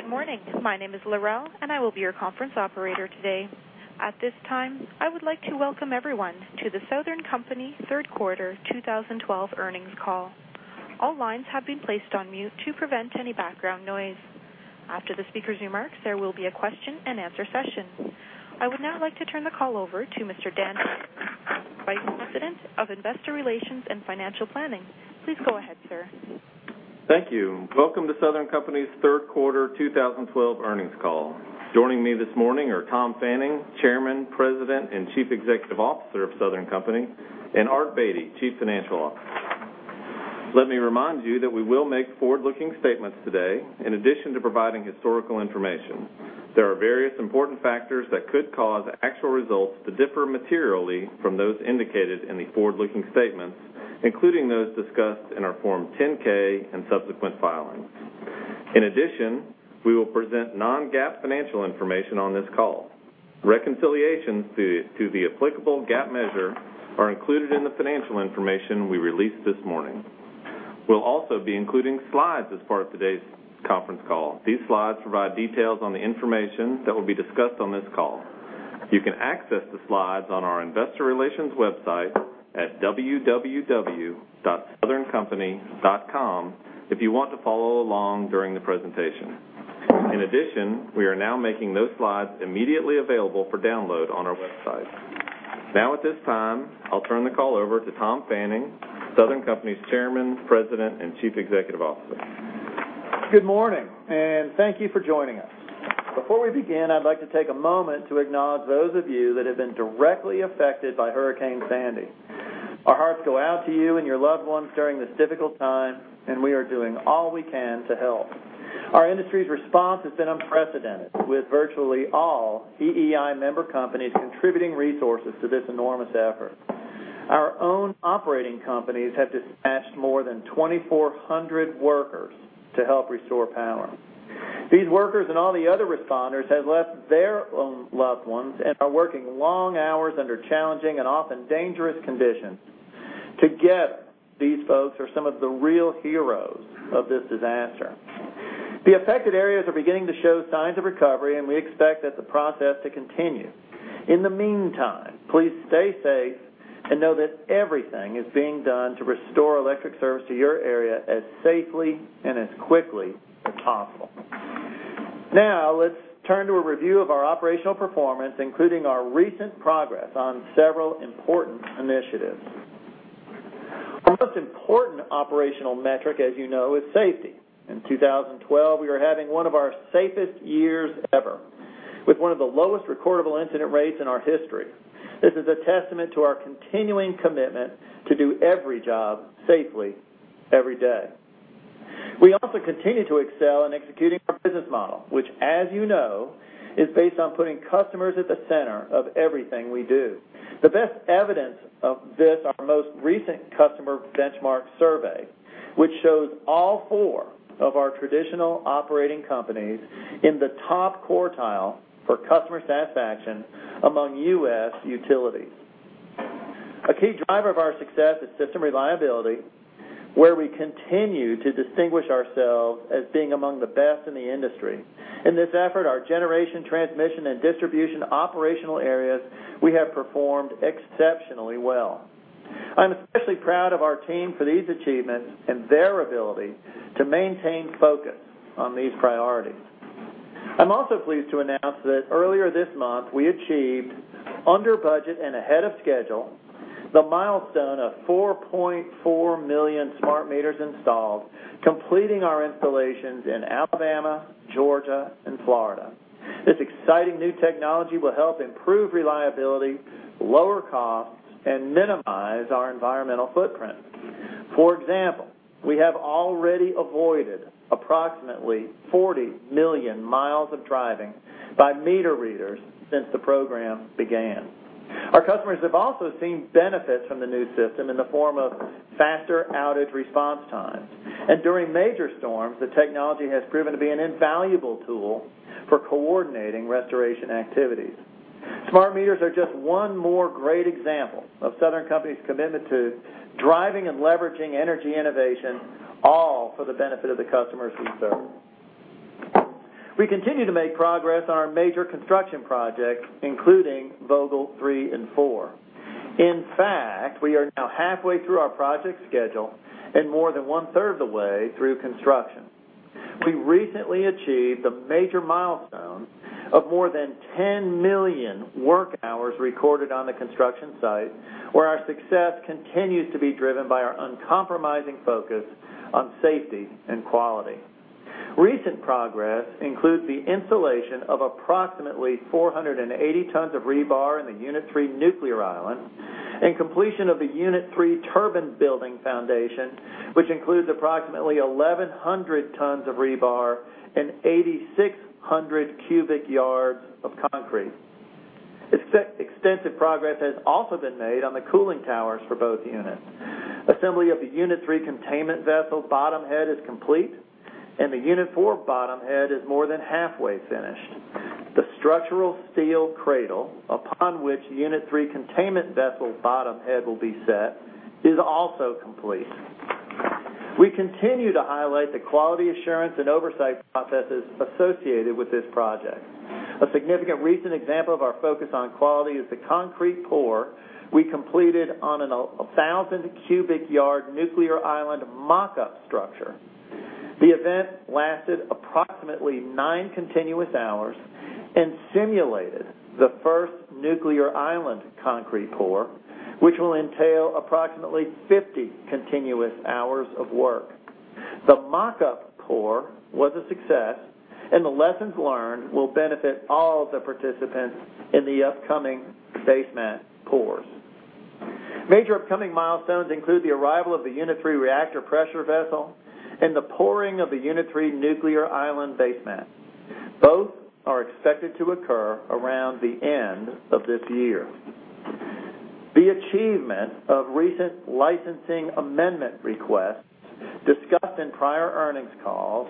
Good morning. My name is Lorelle, and I will be your conference operator today. At this time, I would like to welcome everyone to The Southern Company third quarter 2012 earnings call. All lines have been placed on mute to prevent any background noise. After the speaker's remarks, there will be a question and answer session. I would now like to turn the call over to Mr. Dan, Vice President of Investor Relations and Financial Planning. Please go ahead, sir. Thank you. Welcome to Southern Company's third quarter 2012 earnings call. Joining me this morning are Tom Fanning, Chairman, President, and Chief Executive Officer of Southern Company, and Art Beattie, Chief Financial Officer. Let me remind you that we will make forward-looking statements today in addition to providing historical information. There are various important factors that could cause actual results to differ materially from those indicated in the forward-looking statements, including those discussed in our Form 10-K and subsequent filings. In addition, we will present non-GAAP financial information on this call. Reconciliations to the applicable GAAP measure are included in the financial information we released this morning. We'll also be including slides as part of today's conference call. These slides provide details on the information that will be discussed on this call. You can access the slides on our investor relations website at www.southerncompany.com if you want to follow along during the presentation. In addition, we are now making those slides immediately available for download on our website. Now at this time, I'll turn the call over to Tom Fanning, Southern Company's Chairman, President, and Chief Executive Officer. Good morning. Thank you for joining us. Before we begin, I'd like to take a moment to acknowledge those of you that have been directly affected by Hurricane Sandy. Our hearts go out to you and your loved ones during this difficult time, and we are doing all we can to help. Our industry's response has been unprecedented, with virtually all EEI member companies contributing resources to this enormous effort. Our own operating companies have dispatched more than 2,400 workers to help restore power. These workers and all the other responders have left their own loved ones and are working long hours under challenging and often dangerous conditions. Together, these folks are some of the real heroes of this disaster. The affected areas are beginning to show signs of recovery. We expect that the process to continue. In the meantime, please stay safe and know that everything is being done to restore electric service to your area as safely and as quickly as possible. Let's turn to a review of our operational performance, including our recent progress on several important initiatives. Our most important operational metric, as you know, is safety. In 2012, we are having one of our safest years ever with one of the lowest recordable incident rates in our history. This is a testament to our continuing commitment to do every job safely every day. We also continue to excel in executing our business model, which as you know, is based on putting customers at the center of everything we do. The best evidence of this, our most recent customer benchmark survey, which shows all four of our traditional operating companies in the top quartile for customer satisfaction among U.S. utilities. A key driver of our success is system reliability, where we continue to distinguish ourselves as being among the best in the industry. In this effort, our generation, transmission, and distribution operational areas we have performed exceptionally well. I'm especially proud of our team for these achievements and their ability to maintain focus on these priorities. I'm also pleased to announce that earlier this month, we achieved under budget and ahead of schedule the milestone of 4.4 million smart meters installed, completing our installations in Alabama, Georgia, and Florida. This exciting new technology will help improve reliability, lower costs, and minimize our environmental footprint. For example, we have already avoided approximately 40 million miles of driving by meter readers since the program began. Our customers have also seen benefits from the new system in the form of faster outage response times. During major storms, the technology has proven to be an invaluable tool for coordinating restoration activities. Smart meters are just one more great example of Southern Company's commitment to driving and leveraging energy innovation, all for the benefit of the customers we serve. We continue to make progress on our major construction projects, including Vogtle 3 and 4. In fact, we are now halfway through our project schedule and more than one-third of the way through construction. We recently achieved the major milestone of more than 10 million work hours recorded on the construction site, where our success continues to be driven by our uncompromising focus on safety and quality. Recent progress includes the installation of approximately 480 tons of rebar in the Unit 3 nuclear island and completion of the Unit 3 turbine building foundation, which includes approximately 1,100 tons of rebar and 8,600 cubic yards of concrete. Extensive progress has also been made on the cooling towers for both units. Assembly of the Unit 3 containment vessel bottom head is complete, and the Unit 4 bottom head is more than halfway finished. The structural steel cradle upon which Unit 3 containment vessel's bottom head will be set is also complete. We continue to highlight the quality assurance and oversight processes associated with this project. A significant recent example of our focus on quality is the concrete pour we completed on a 1,000 cubic yard nuclear island mock-up structure. The event lasted approximately nine continuous hours and simulated the first nuclear island concrete pour, which will entail approximately 50 continuous hours of work. The mock-up pour was a success, and the lessons learned will benefit all the participants in the upcoming basement pours. Major upcoming milestones include the arrival of the Unit 3 reactor pressure vessel and the pouring of the Unit 3 nuclear island basement. Both are expected to occur around the end of this year. The achievement of recent licensing amendment requests discussed in prior earnings calls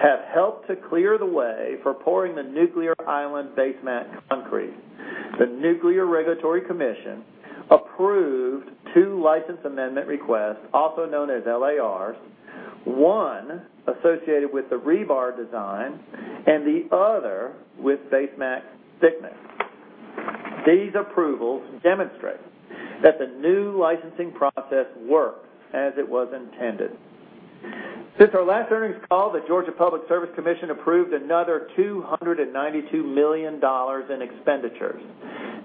have helped to clear the way for pouring the nuclear island basement concrete. The Nuclear Regulatory Commission approved two license amendment requests, also known as LARs, one associated with the rebar design and the other with basement thickness. These approvals demonstrate that the new licensing process worked as it was intended. Since our last earnings call, the Georgia Public Service Commission approved another $292 million in expenditures.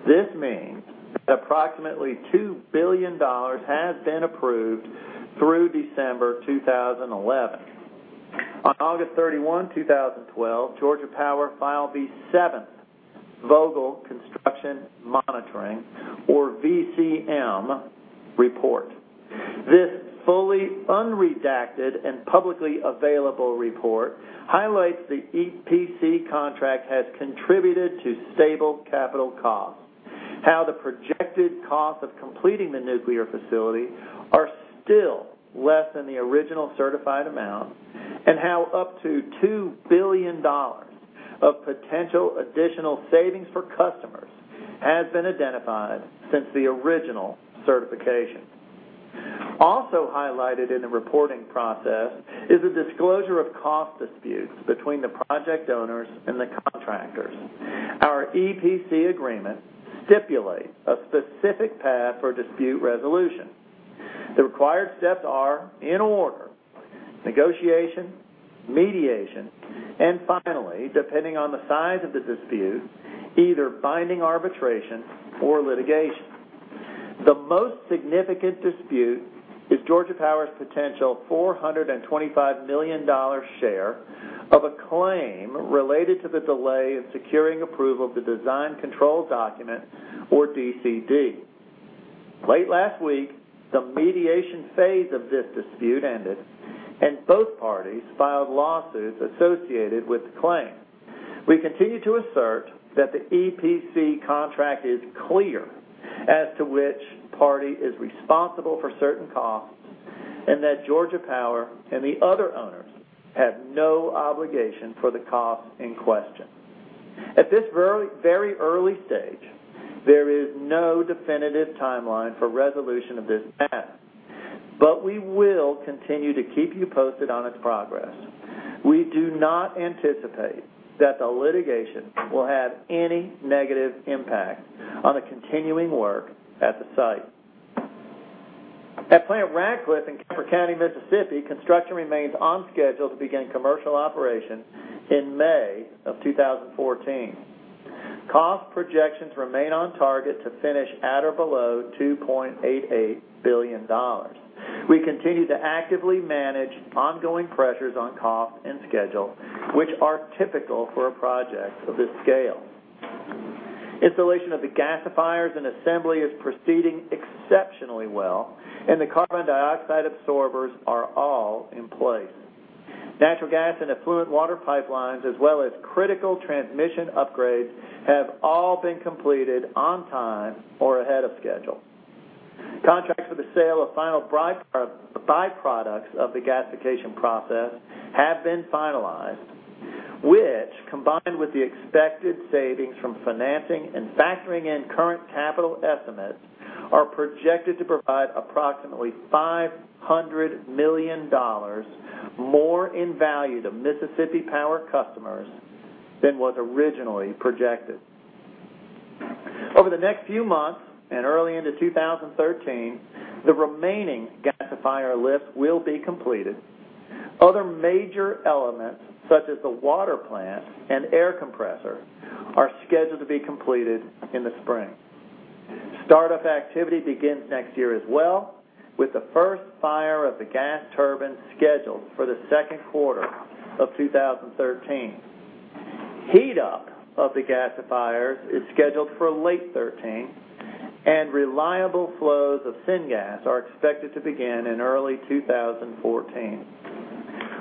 This means that approximately $2 billion has been approved through December 2011. On August 31, 2012, Georgia Power filed the seventh Vogtle Construction Monitoring, or VCM, report. This fully unredacted and publicly available report highlights the EPC contract has contributed to stable capital costs, how the projected cost of completing the nuclear facility are still less than the original certified amount, and how up to $2 billion of potential additional savings for customers has been identified since the original certification. Also highlighted in the reporting process is a disclosure of cost disputes between the project owners and the contractors. Our EPC agreement stipulates a specific path for dispute resolution. The required steps are, in order, negotiation, mediation, and finally, depending on the size of the dispute, either binding arbitration or litigation. The most significant dispute is Georgia Power's potential $425 million share of a claim related to the delay in securing approval of the Design Control Document, or DCD. Late last week, the mediation phase of this dispute ended. Both parties filed lawsuits associated with the claim. We continue to assert that the EPC contract is clear as to which party is responsible for certain costs, and that Georgia Power and the other owners have no obligation for the costs in question. At this very early stage, there is no definitive timeline for resolution of this matter, but we will continue to keep you posted on its progress. We do not anticipate that the litigation will have any negative impact on the continuing work at the site. At Plant Ratcliffe in Kemper County, Mississippi, construction remains on schedule to begin commercial operation in May of 2014. Cost projections remain on target to finish at or below $2.88 billion. We continue to actively manage ongoing pressures on cost and schedule, which are typical for a project of this scale. Installation of the gasifiers. Assembly is proceeding exceptionally well, and the carbon dioxide absorbers are all in place. Natural gas and effluent water pipelines, as well as critical transmission upgrades, have all been completed on time or ahead of schedule. Contracts for the sale of final byproducts of the gasification process have been finalized, which, combined with the expected savings from financing and factoring in current capital estimates, are projected to provide approximately $500 million more in value to Mississippi Power customers than was originally projected. Over the next few months and early into 2013, the remaining gasifier lift will be completed. Other major elements, such as the water plant and air compressor, are scheduled to be completed in the spring. Startup activity begins next year as well, with the first fire of the gas turbine scheduled for the second quarter of 2013. Heat-up of the gasifiers is scheduled for late 2013, and reliable flows of syngas are expected to begin in early 2014.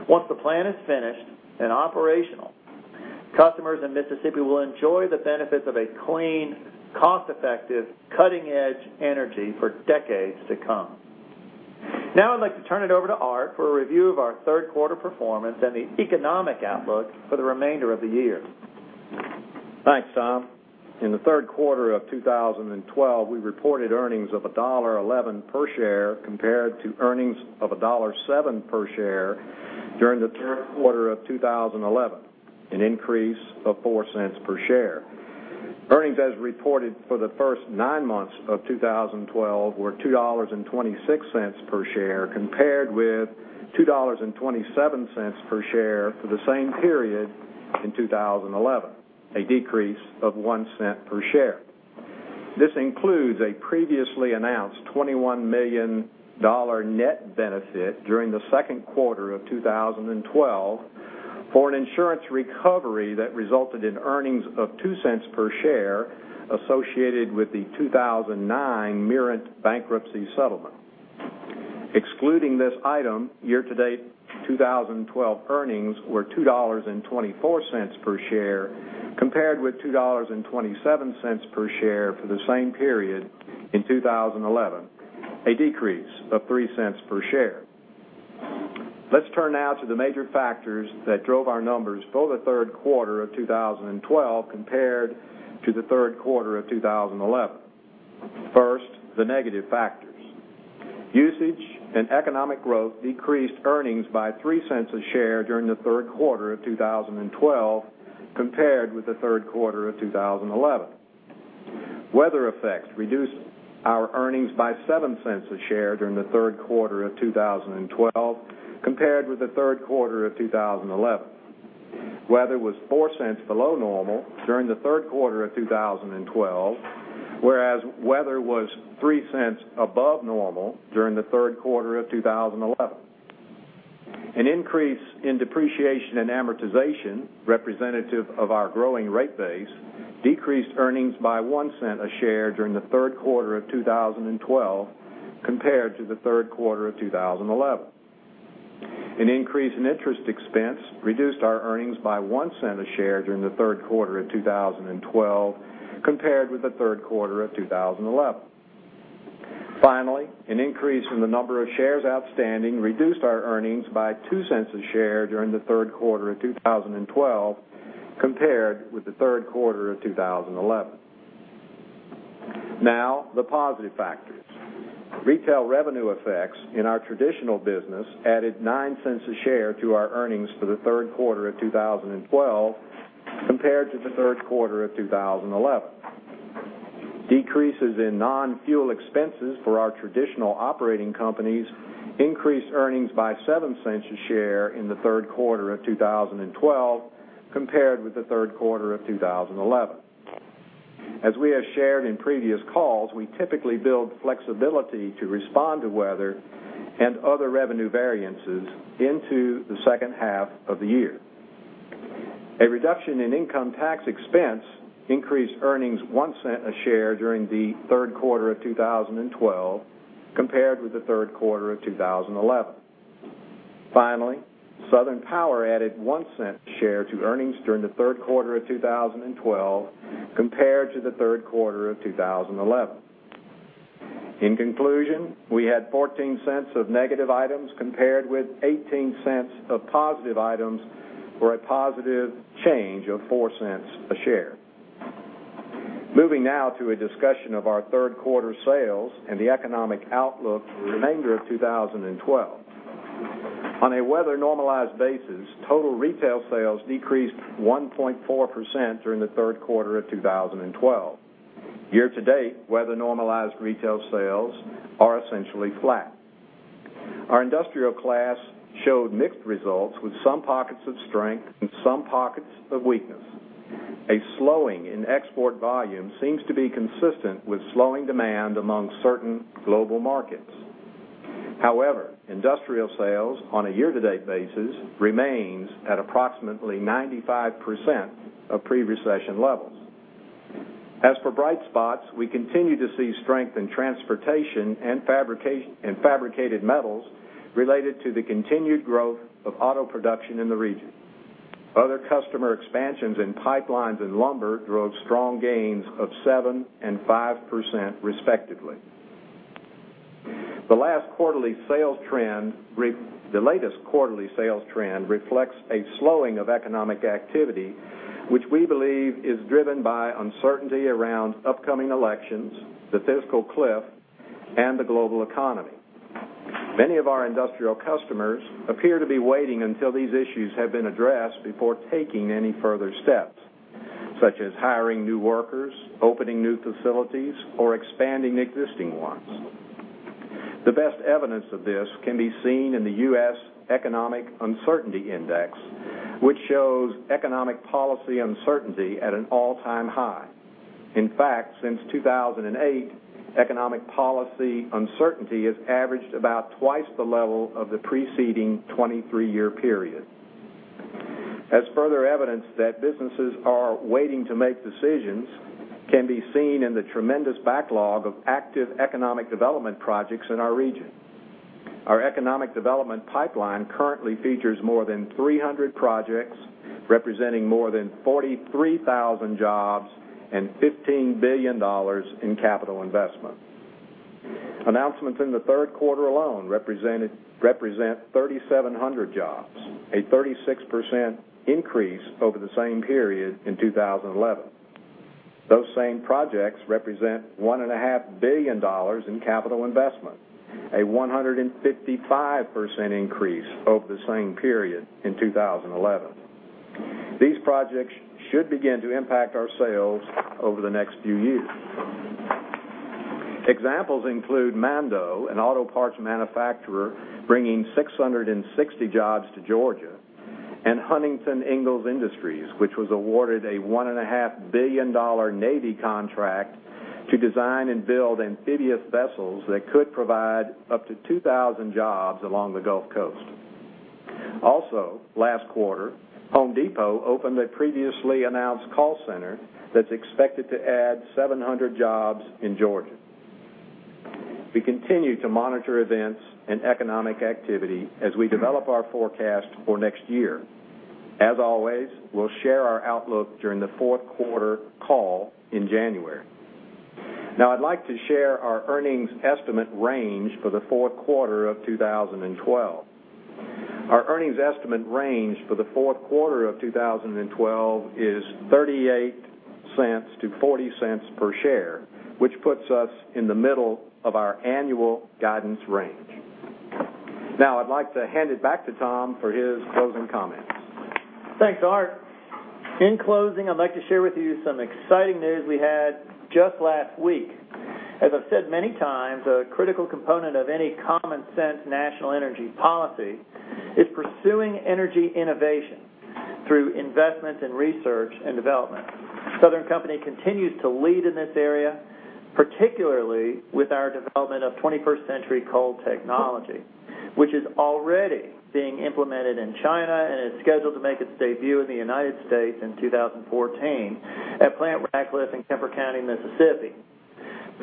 Once the plant is finished and operational, customers in Mississippi will enjoy the benefits of a clean, cost-effective, cutting-edge energy for decades to come. I'd like to turn it over to Art for a review of our third quarter performance and the economic outlook for the remainder of the year. Thanks, Tom. In the third quarter of 2012, we reported earnings of $1.11 per share compared to earnings of $1.07 per share during the third quarter of 2011, an increase of $0.04 per share. Earnings as reported for the first nine months of 2012 were $2.26 per share compared with $2.27 per share for the same period in 2011, a decrease of $0.01 per share. This includes a previously announced $21 million net benefit during the second quarter of 2012 for an insurance recovery that resulted in earnings of $0.02 per share associated with the 2009 Mirant bankruptcy settlement. Excluding this item, year-to-date 2012 earnings were $2.24 per share compared with $2.27 per share for the same period in 2011, a decrease of $0.03 per share. Let's turn now to the major factors that drove our numbers for the third quarter of 2012 compared to the third quarter of 2011. First, the negative factors. Usage and economic growth decreased earnings by $0.03 a share during the third quarter of 2012 compared with the third quarter of 2011. Weather effects reduced our earnings by $0.07 a share during the third quarter of 2012 compared with the third quarter of 2011. Weather was $0.04 below normal during the third quarter of 2012, whereas weather was $0.03 above normal during the third quarter of 2011. An increase in depreciation and amortization, representative of our growing rate base, decreased earnings by $0.01 a share during the third quarter of 2012 compared to the third quarter of 2011. An increase in interest expense reduced our earnings by $0.01 a share during the third quarter of 2012 compared with the third quarter of 2011. Finally, an increase in the number of shares outstanding reduced our earnings by $0.02 a share during the third quarter of 2012 compared with the third quarter of 2011. The positive factors. Retail revenue effects in our traditional business added $0.09 a share to our earnings for the third quarter of 2012 compared to the third quarter of 2011. Decreases in non-fuel expenses for our traditional operating companies increased earnings by $0.07 a share in the third quarter of 2012 compared with the third quarter of 2011. As we have shared in previous calls, we typically build flexibility to respond to weather and other revenue variances into the second half of the year. A reduction in income tax expense increased earnings $0.01 a share during the third quarter of 2012 compared with the third quarter of 2011. Southern Power added $0.01 a share to earnings during the third quarter of 2012 compared to the third quarter of 2011. In conclusion, we had $0.14 of negative items compared with $0.18 of positive items for a positive change of $0.04 a share. Moving now to a discussion of our third quarter sales and the economic outlook for the remainder of 2012. On a weather-normalized basis, total retail sales decreased 1.4% during the third quarter of 2012. Year-to-date, weather-normalized retail sales are essentially flat. Our industrial class showed mixed results with some pockets of strength and some pockets of weakness. A slowing in export volume seems to be consistent with slowing demand among certain global markets. Industrial sales on a year-to-date basis remains at approximately 95% of pre-recession levels. As for bright spots, we continue to see strength in transportation and fabricated metals related to the continued growth of auto production in the region. Other customer expansions in pipelines and lumber drove strong gains of 7% and 5% respectively. The latest quarterly sales trend reflects a slowing of economic activity, which we believe is driven by uncertainty around upcoming elections, the fiscal cliff, and the global economy. Many of our industrial customers appear to be waiting until these issues have been addressed before taking any further steps, such as hiring new workers, opening new facilities, or expanding existing ones. The best evidence of this can be seen in the U.S. Economic Uncertainty Index, which shows economic policy uncertainty at an all-time high. Since 2008, economic policy uncertainty has averaged about twice the level of the preceding 23-year period. As further evidence that businesses are waiting to make decisions can be seen in the tremendous backlog of active economic development projects in our region. Our economic development pipeline currently features more than 300 projects representing more than 43,000 jobs and $15 billion in capital investment. Announcements in the third quarter alone represent 3,700 jobs, a 36% increase over the same period in 2011. Those same projects represent $1.5 billion in capital investment, a 155% increase over the same period in 2011. These projects should begin to impact our sales over the next few years. Examples include Mando, an auto parts manufacturer bringing 660 jobs to Georgia, and Huntington Ingalls Industries, which was awarded a $1.5 billion Navy contract to design and build amphibious vessels that could provide up to 2,000 jobs along the Gulf Coast. Last quarter, Home Depot opened a previously announced call center that's expected to add 700 jobs in Georgia. We continue to monitor events and economic activity as we develop our forecast for next year. As always, we'll share our outlook during the fourth quarter call in January. Now I'd like to share our earnings estimate range for the fourth quarter of 2012. Our earnings estimate range for the fourth quarter of 2012 is $0.38 to $0.40 per share, which puts us in the middle of our annual guidance range. Now I'd like to hand it back to Tom for his closing comments. Thanks, Art. In closing, I'd like to share with you some exciting news we had just last week. As I've said many times, a critical component of any common sense national energy policy is pursuing energy innovation through investment in research and development. Southern Company continues to lead in this area, particularly with our development of 21st-century coal technology, which is already being implemented in China and is scheduled to make its debut in the United States in 2014 at Plant Ratcliffe in Kemper County, Mississippi.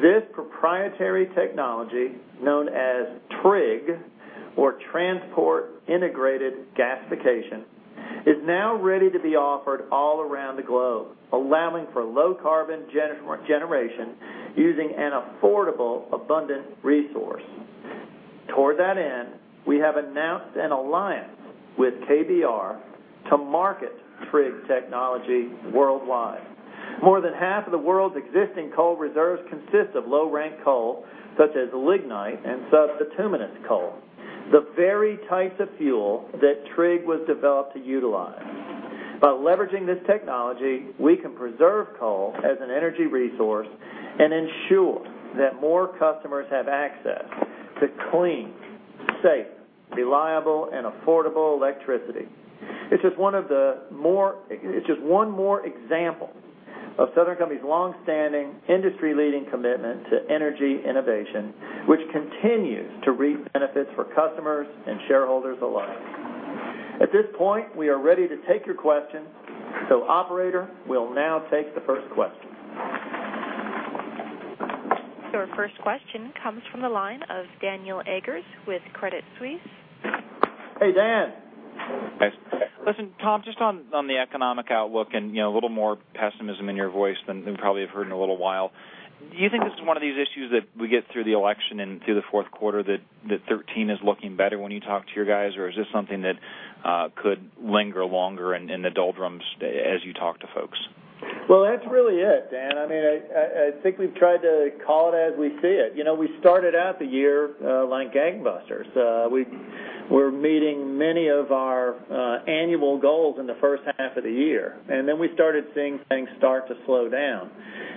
This proprietary technology, known as TRIG, or transport-integrated gasification, is now ready to be offered all around the globe, allowing for low-carbon generation using an affordable, abundant resource. Toward that end, we have announced an alliance with KBR to market TRIG technology worldwide. More than half of the world's existing coal reserves consist of low-rank coal, such as lignite and sub-bituminous coal, the very types of fuel that TRIG was developed to utilize. By leveraging this technology, we can preserve coal as an energy resource and ensure that more customers have access to clean, safe, reliable, and affordable electricity. It's just one more example of Southern Company's longstanding industry-leading commitment to energy innovation, which continues to reap benefits for customers and shareholders alike. At this point, we are ready to take your questions. Operator, we'll now take the first question. Your first question comes from the line of Daniel Eggers with Credit Suisse. Hey, Dan. Listen, Tom, just on the economic outlook and a little more pessimism in your voice than probably you've heard in a little while. Do you think this is one of these issues that we get through the election and through the fourth quarter that 2013 is looking better when you talk to your guys? Or is this something that could linger longer in the doldrums as you talk to folks? That's really it, Dan. I think we've tried to call it as we see it. We started out the year like gangbusters. We were meeting many of our annual goals in the first half of the year, we started seeing things start to slow down.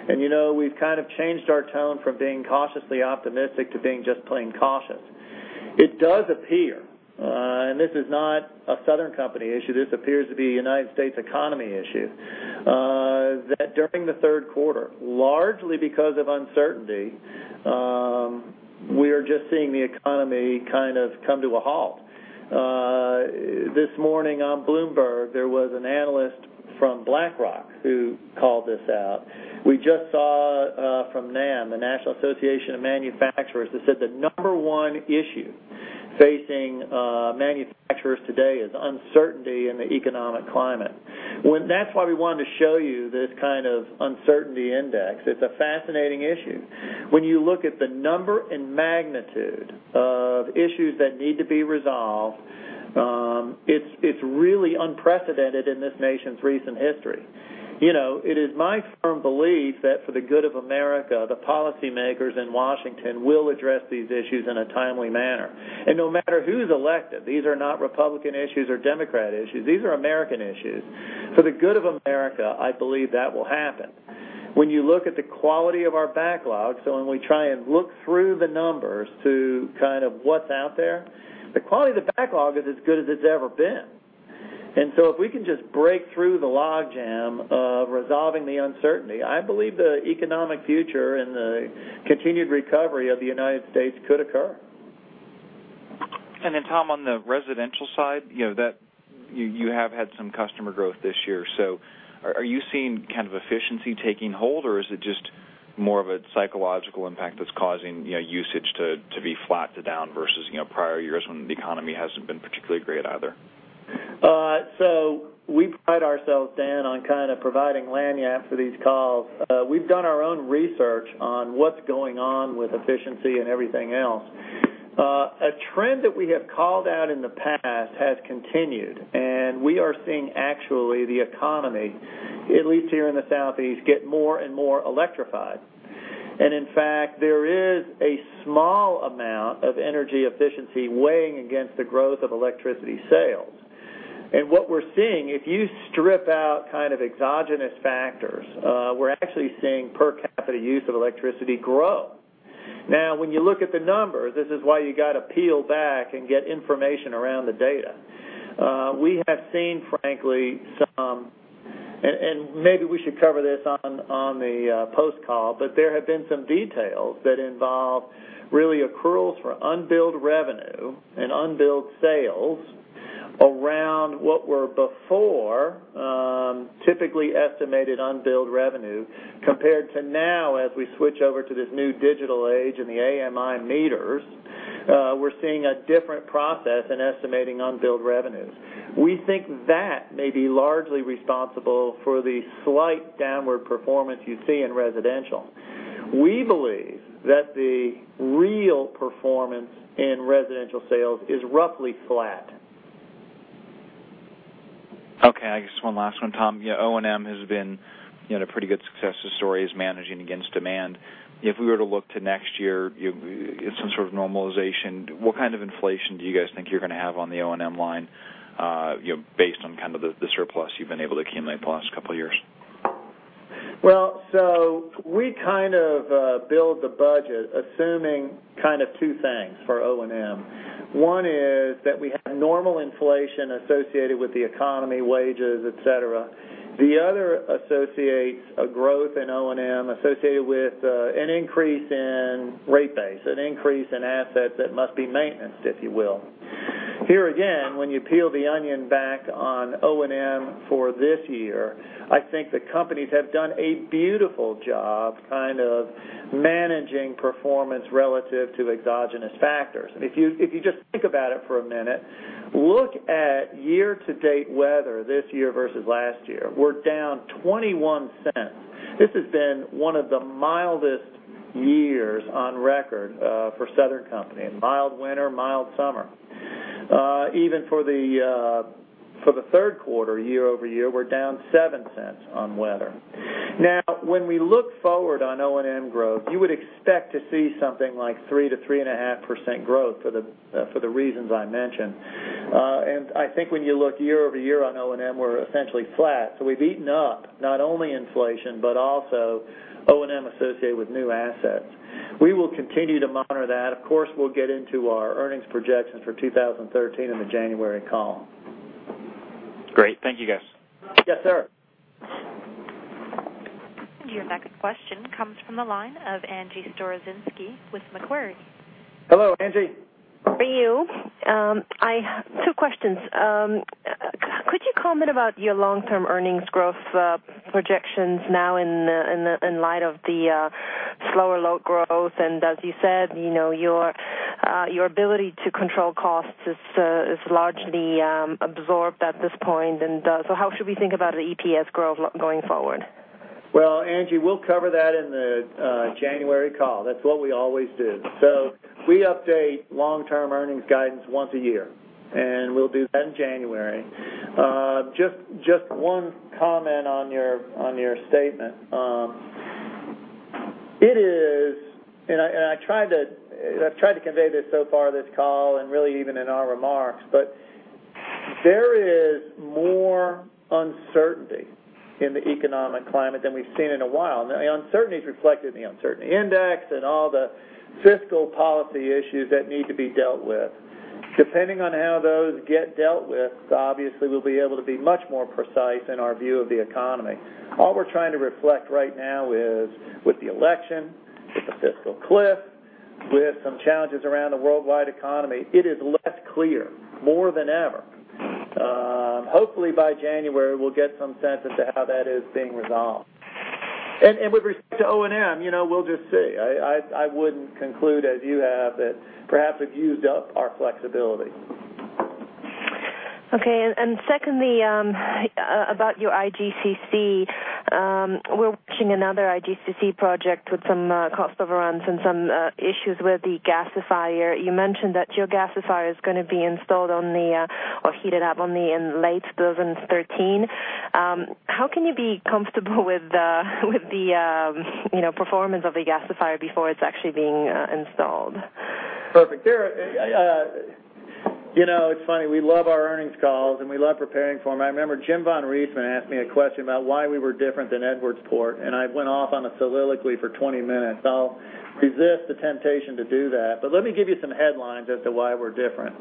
We've changed our tone from being cautiously optimistic to being just plain cautious. It does appear, and this is not a Southern Company issue, this appears to be a United States economy issue, that during the third quarter, largely because of uncertainty, we are just seeing the economy come to a halt. This morning on Bloomberg, there was an analyst from BlackRock who called this out. We just saw from NAM, the National Association of Manufacturers, that said the number 1 issue facing manufacturers today is uncertainty in the economic climate. That's why we wanted to show you this kind of Uncertainty Index. It's a fascinating issue. When you look at the number and magnitude of issues that need to be resolved, it's really unprecedented in this nation's recent history. It is my firm belief that for the good of America, the policymakers in Washington will address these issues in a timely manner. No matter who's elected, these are not Republican issues or Democrat issues. These are American issues. For the good of America, I believe that will happen. When you look at the quality of our backlog, when we try and look through the numbers to what's out there, the quality of the backlog is as good as it's ever been. If we can just break through the logjam of resolving the uncertainty, I believe the economic future and the continued recovery of the United States could occur. Tom, on the residential side, you have had some customer growth this year. Are you seeing efficiency taking hold, or is it just more of a psychological impact that's causing usage to be flat to down versus prior years when the economy hasn't been particularly great either? We pride ourselves, Dan, on providing lagniappe for these calls. We've done our own research on what's going on with efficiency and everything else. A trend that we have called out in the past has continued, we are seeing actually the economy, at least here in the Southeast, get more and more electrified. In fact, there is a small amount of energy efficiency weighing against the growth of electricity sales. What we're seeing, if you strip out exogenous factors, we're actually seeing per capita use of electricity grow. When you look at the numbers, this is why you got to peel back and get information around the data. We have seen, frankly, some, and maybe we should cover this on the post call, there have been some details that involve really accruals for unbilled revenue and unbilled sales around what were before typically estimated unbilled revenue, compared to now as we switch over to this new digital age and the AMI meters. We're seeing a different process in estimating unbilled revenues. We think that may be largely responsible for the slight downward performance you see in residential. We believe that the real performance in residential sales is roughly flat. Okay. I guess one last one, Tom. O&M has been a pretty good success story is managing against demand. If we were to look to next year, get some sort of normalization, what kind of inflation do you guys think you're going to have on the O&M line based on the surplus you've been able to accumulate the past couple of years? Well, we build the budget assuming two things for O&M. One is that we have normal inflation associated with the economy, wages, et cetera. The other associates a growth in O&M associated with an increase in rate base, an increase in assets that must be maintenanced, if you will. Here again, when you peel the onion back on O&M for this year, I think the companies have done a beautiful job managing performance relative to exogenous factors. If you just think about it for a minute, look at year-to-date weather this year versus last year. We're down $0.21. This has been one of the mildest years on record for Southern Company. A mild winter, mild summer. Even for the third quarter, year-over-year, we're down $0.07 on weather. Now, when we look forward on O&M growth, you would expect to see something like 3%-3.5% growth for the reasons I mentioned. I think when you look year-over-year on O&M, we're essentially flat. We've eaten up not only inflation, but also O&M associated with new assets. We will continue to monitor that. Of course, we'll get into our earnings projections for 2013 in the January call. Great. Thank you, guys. Yes, sir. Your next question comes from the line of Angie Storozynski with Macquarie. Hello, Angie. For you. Two questions. Could you comment about your long-term earnings growth projections now in light of the slower load growth? As you said, your ability to control costs is largely absorbed at this point. How should we think about the EPS growth going forward? Well, Angie, we'll cover that in the January call. That's what we always do. We update long-term earnings guidance once a year, and we'll do that in January. Just one comment on your statement. I've tried to convey this so far this call and really even in our remarks, but there is more uncertainty in the economic climate than we've seen in a while. The uncertainty is reflected in the Uncertainty Index and all the fiscal policy issues that need to be dealt with. Depending on how those get dealt with, obviously we'll be able to be much more precise in our view of the economy. All we're trying to reflect right now is with the election, with the fiscal cliff, with some challenges around the worldwide economy, it is less clear more than ever. Hopefully by January, we'll get some sense into how that is being resolved. With respect to O&M, we'll just see. I wouldn't conclude, as you have, that perhaps we've used up our flexibility. Okay. Secondly, about your IGCC. We're watching another IGCC project with some cost overruns and some issues with the gasifier. You mentioned that your gasifier is going to be installed or heated up in late 2013. How can you be comfortable with the performance of the gasifier before it's actually being installed? Perfect. It's funny. We love our earnings calls, and we love preparing for them. I remember Jim von Riesemann asked me a question about why we were different than Edwardsport, and I went off on a soliloquy for 20 minutes. I'll resist the temptation to do that. Let me give you some headlines as to why we're different.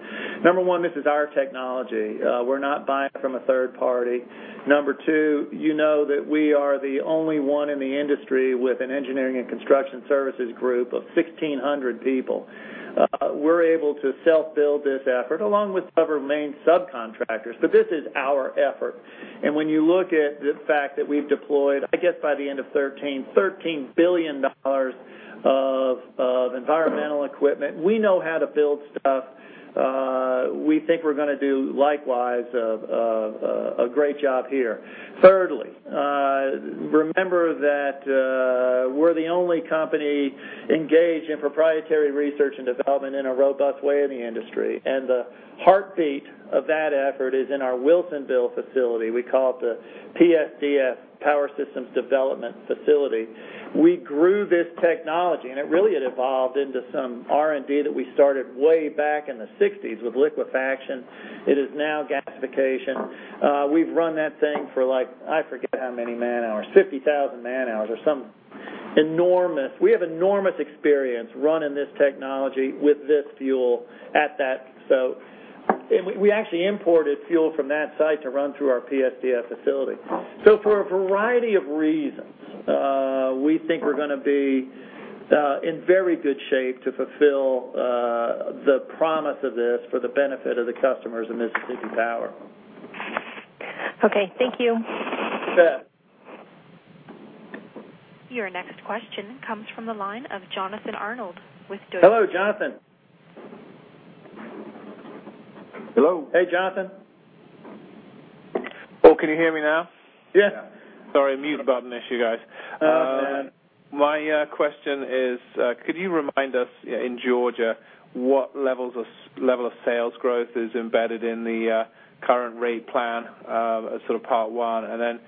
Number one, this is our technology. We're not buying from a third party. Number two, you know that we are the only one in the industry with an engineering and construction services group of 1,600 people. We're able to self-build this effort along with several main subcontractors, but this is our effort. When you look at the fact that we've deployed, I guess by the end of 2013, $13 billion of environmental equipment. We know how to build stuff. We think we're going to do likewise a great job here. Thirdly, remember that we're the only company engaged in proprietary research and development in a robust way in the industry, and the heartbeat of that effort is in our Wilsonville facility. We call it the PSDF, Power Systems Development Facility. We grew this technology, and it really had evolved into some R&D that we started way back in the 1960s with liquefaction. It is now gasification. We've run that thing for like, I forget how many man-hours, 50,000 man-hours or something enormous. We have enormous experience running this technology with this fuel at that. We actually imported fuel from that site to run through our PSDF facility. For a variety of reasons, we think we're going to be in very good shape to fulfill the promise of this for the benefit of the customers of Mississippi Power. Okay, thank you. You bet. Your next question comes from the line of Jonathan Arnold with Deutsche Bank. Hello, Jonathan. Hello? Hey, Jonathan. Oh, can you hear me now? Yes. Yeah. Sorry, mute button issue, guys. Oh, man. My question is, could you remind us in Georgia what level of sales growth is embedded in the current rate plan, sort of part one, and then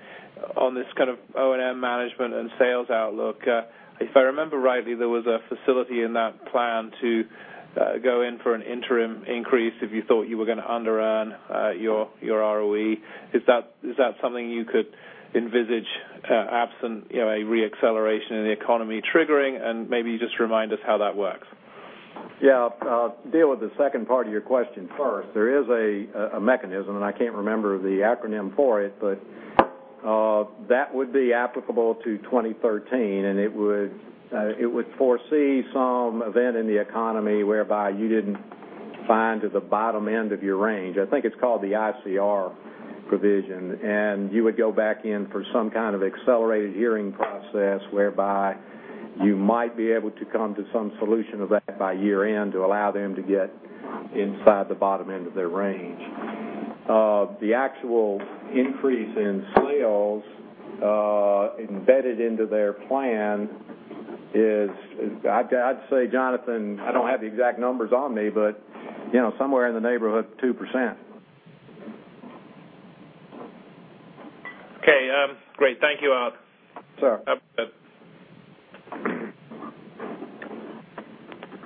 on this kind of O&M management and sales outlook, if I remember rightly, there was a facility in that plan to go in for an interim increase if you thought you were going to under-earn your ROE. Is that something you could envisage absent a re-acceleration in the economy triggering? Maybe you just remind us how that works. Yeah. I'll deal with the second part of your question first. There is a mechanism, and I can't remember the acronym for it, but that would be applicable to 2013, and it would foresee some event in the economy whereby you didn't find to the bottom end of your range. I think it's called the ICR provision, and you would go back in for some kind of accelerated hearing process whereby you might be able to come to some solution of that by year-end to allow them to get inside the bottom end of their range. The actual increase in sales embedded into their plan is, I'd say, Jonathan, I don't have the exact numbers on me, but somewhere in the neighborhood of 2%. Okay. Great. Thank you. Sure. That's it.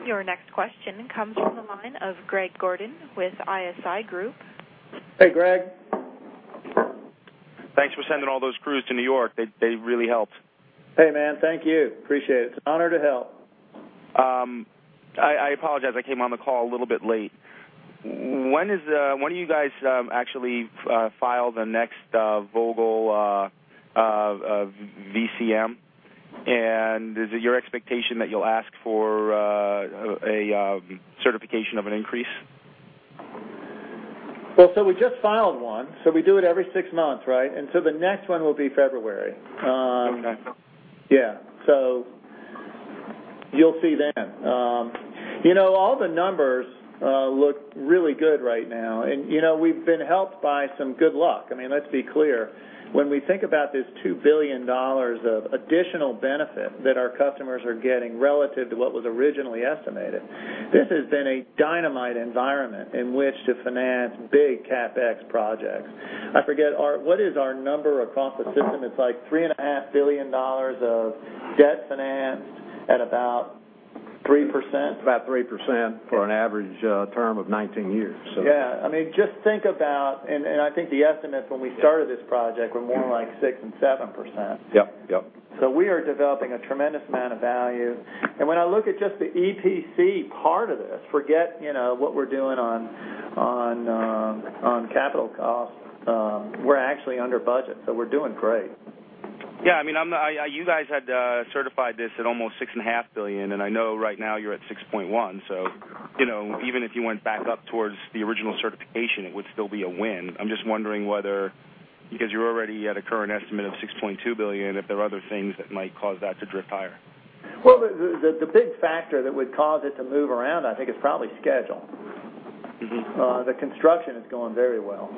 Your next question comes from the line of Greg Gordon with ISI Group. Hey, Greg. Thanks for sending all those crews to New York. They really helped. Hey, man. Thank you. Appreciate it. It's an honor to help. I apologize I came on the call a little bit late. When do you guys actually file the next Vogtle VCM? Is it your expectation that you'll ask for a certification of an increase? Well, we just filed one. We do it every six months, right? The next one will be February. Okay. Yeah. You'll see then. All the numbers look really good right now. We've been helped by some good luck. I mean, let's be clear. When we think about this $2 billion of additional benefit that our customers are getting relative to what was originally estimated, this has been a dynamite environment in which to finance big CapEx projects. I forget, what is our number across the system? It's like $3.5 billion of debt finance at about 3%? About 3% for an average term of 19 years. I mean, just think about, I think the estimates when we started this project were more like 6% and 7%. Yep. We are developing a tremendous amount of value. When I look at just the EPC part of this, forget what we're doing on capital costs, we're actually under budget. We're doing great. Yeah, you guys had certified this at almost $6.5 billion, I know right now you're at $6.1 billion. Even if you went back up towards the original certification, it would still be a win. I'm just wondering whether, because you're already at a current estimate of $6.2 billion, if there are other things that might cause that to drift higher. Well, the big factor that would cause it to move around, I think, is probably schedule. The construction is going very well.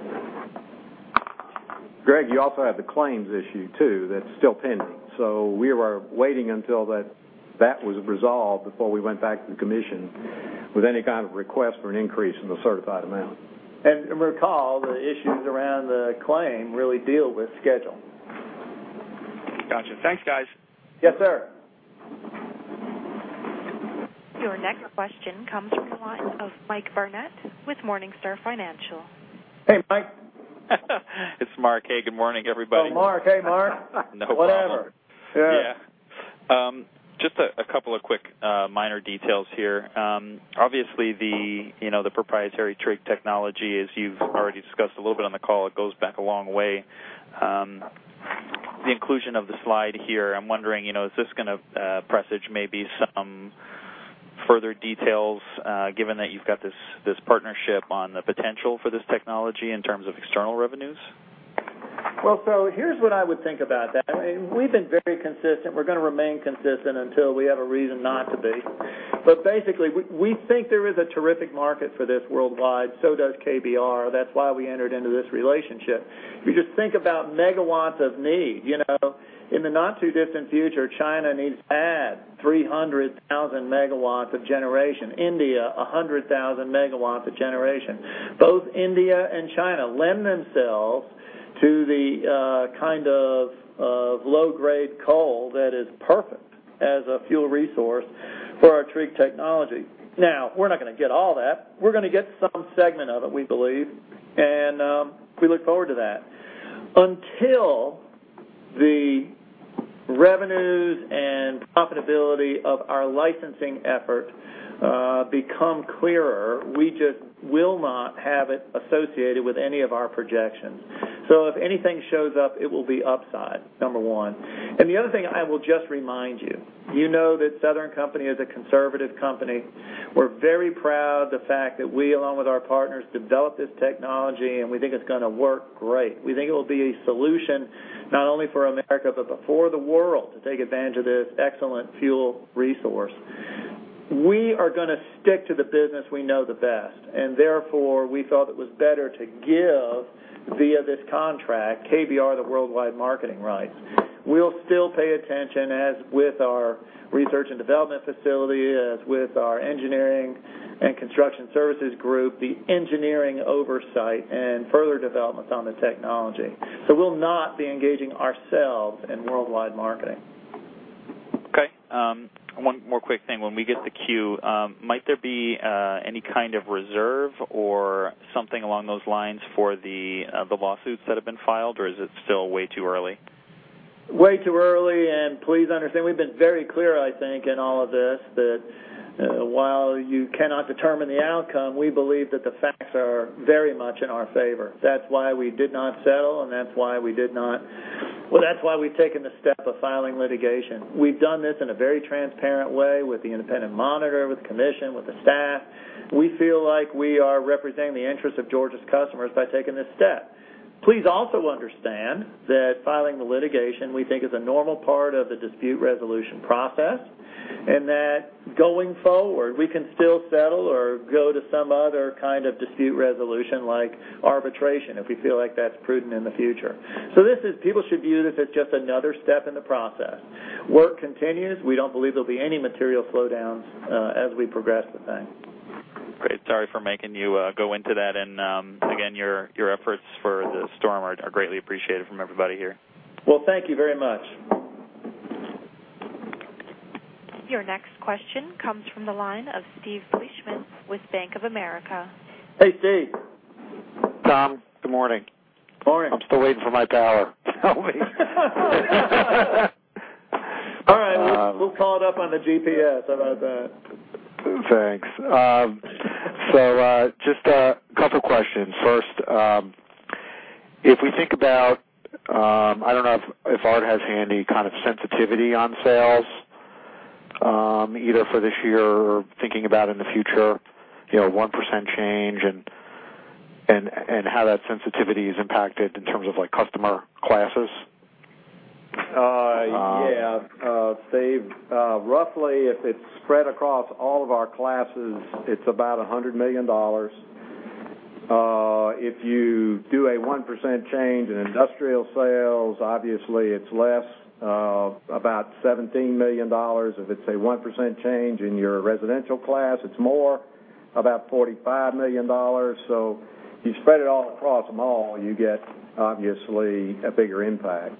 Greg, you also have the claims issue too that's still pending. We were waiting until that was resolved before we went back to the commission with any kind of request for an increase in the certified amount. Recall, the issues around the claim really deal with schedule. Got you. Thanks, guys. Yes, sir. Your next question comes from the line of Mark Barnett with Morningstar. Hey, Mark. It's Mark. Hey, good morning, everybody. Hey, Mark. No problem. Whatever. Yeah. Yeah. Just a couple of quick minor details here. Obviously the proprietary TRIG technology, as you've already discussed a little bit on the call, it goes back a long way. The inclusion of the slide here, I'm wondering, is this going to presage maybe some further details, given that you've got this partnership on the potential for this technology in terms of external revenues? Here's what I would think about that. We've been very consistent. We're going to remain consistent until we have a reason not to be. Basically, we think there is a terrific market for this worldwide. Does KBR. That's why we entered into this relationship. If you just think about megawatts of need. In the not too distant future, China needs to add 300,000 megawatts of generation. India, 100,000 megawatts of generation. Both India and China lend themselves to the kind of low-grade coal that is perfect as a fuel resource for our TRIG technology. We're not going to get all that. We're going to get some segment of it, we believe, and we look forward to that. Until the revenues and profitability of our licensing effort become clearer, we just will not have it associated with any of our projections. If anything shows up, it will be upside, number one. The other thing I will just remind you know that Southern Company is a conservative company. We're very proud of the fact that we, along with our partners, developed this technology, and we think it's going to work great. We think it will be a solution not only for America, but for the world to take advantage of this excellent fuel resource. We are going to stick to the business we know the best, and therefore, we felt it was better to give, via this contract, KBR the worldwide marketing rights. We'll still pay attention as with our research and development facility, as with our engineering and construction services group, the engineering oversight, and further developments on the technology. We'll not be engaging ourselves in worldwide marketing. One more quick thing. When we get the Q, might there be any kind of reserve or something along those lines for the lawsuits that have been filed? Or is it still way too early? Way too early. Please understand, we've been very clear, I think, in all of this, that while you cannot determine the outcome, we believe that the facts are very much in our favor. That's why we did not settle, and that's why we've taken the step of filing litigation. We've done this in a very transparent way with the independent monitor, with the commission, with the staff. We feel like we are representing the interests of Georgia's customers by taking this step. Please also understand that filing the litigation, we think, is a normal part of the dispute resolution process, and that going forward, we can still settle or go to some other kind of dispute resolution like arbitration if we feel like that's prudent in the future. People should view this as just another step in the process. Work continues. We don't believe there'll be any material slowdowns as we progress with things. Great. Sorry for making you go into that. Again, your efforts for the storm are greatly appreciated from everybody here. Well, thank you very much. Your next question comes from the line of Steve Fleishman with Bank of America. Hey, Steve. Tom, good morning. Morning. I'm still waiting for my power. Tell me. All right. We'll call it up on the GPS. How about that? Thanks. Just a couple of questions. First, if we think about, I don't know if Art has any kind of sensitivity on sales, either for this year or thinking about in the future, 1% change and how that sensitivity is impacted in terms of customer classes. Yeah, Steve, roughly, if it's spread across all of our classes, it's about $100 million. If you do a 1% change in industrial sales, obviously it's less, about $17 million. If it's a 1% change in your residential class, it's more, about $45 million. You spread it all across them all, you get obviously a bigger impact.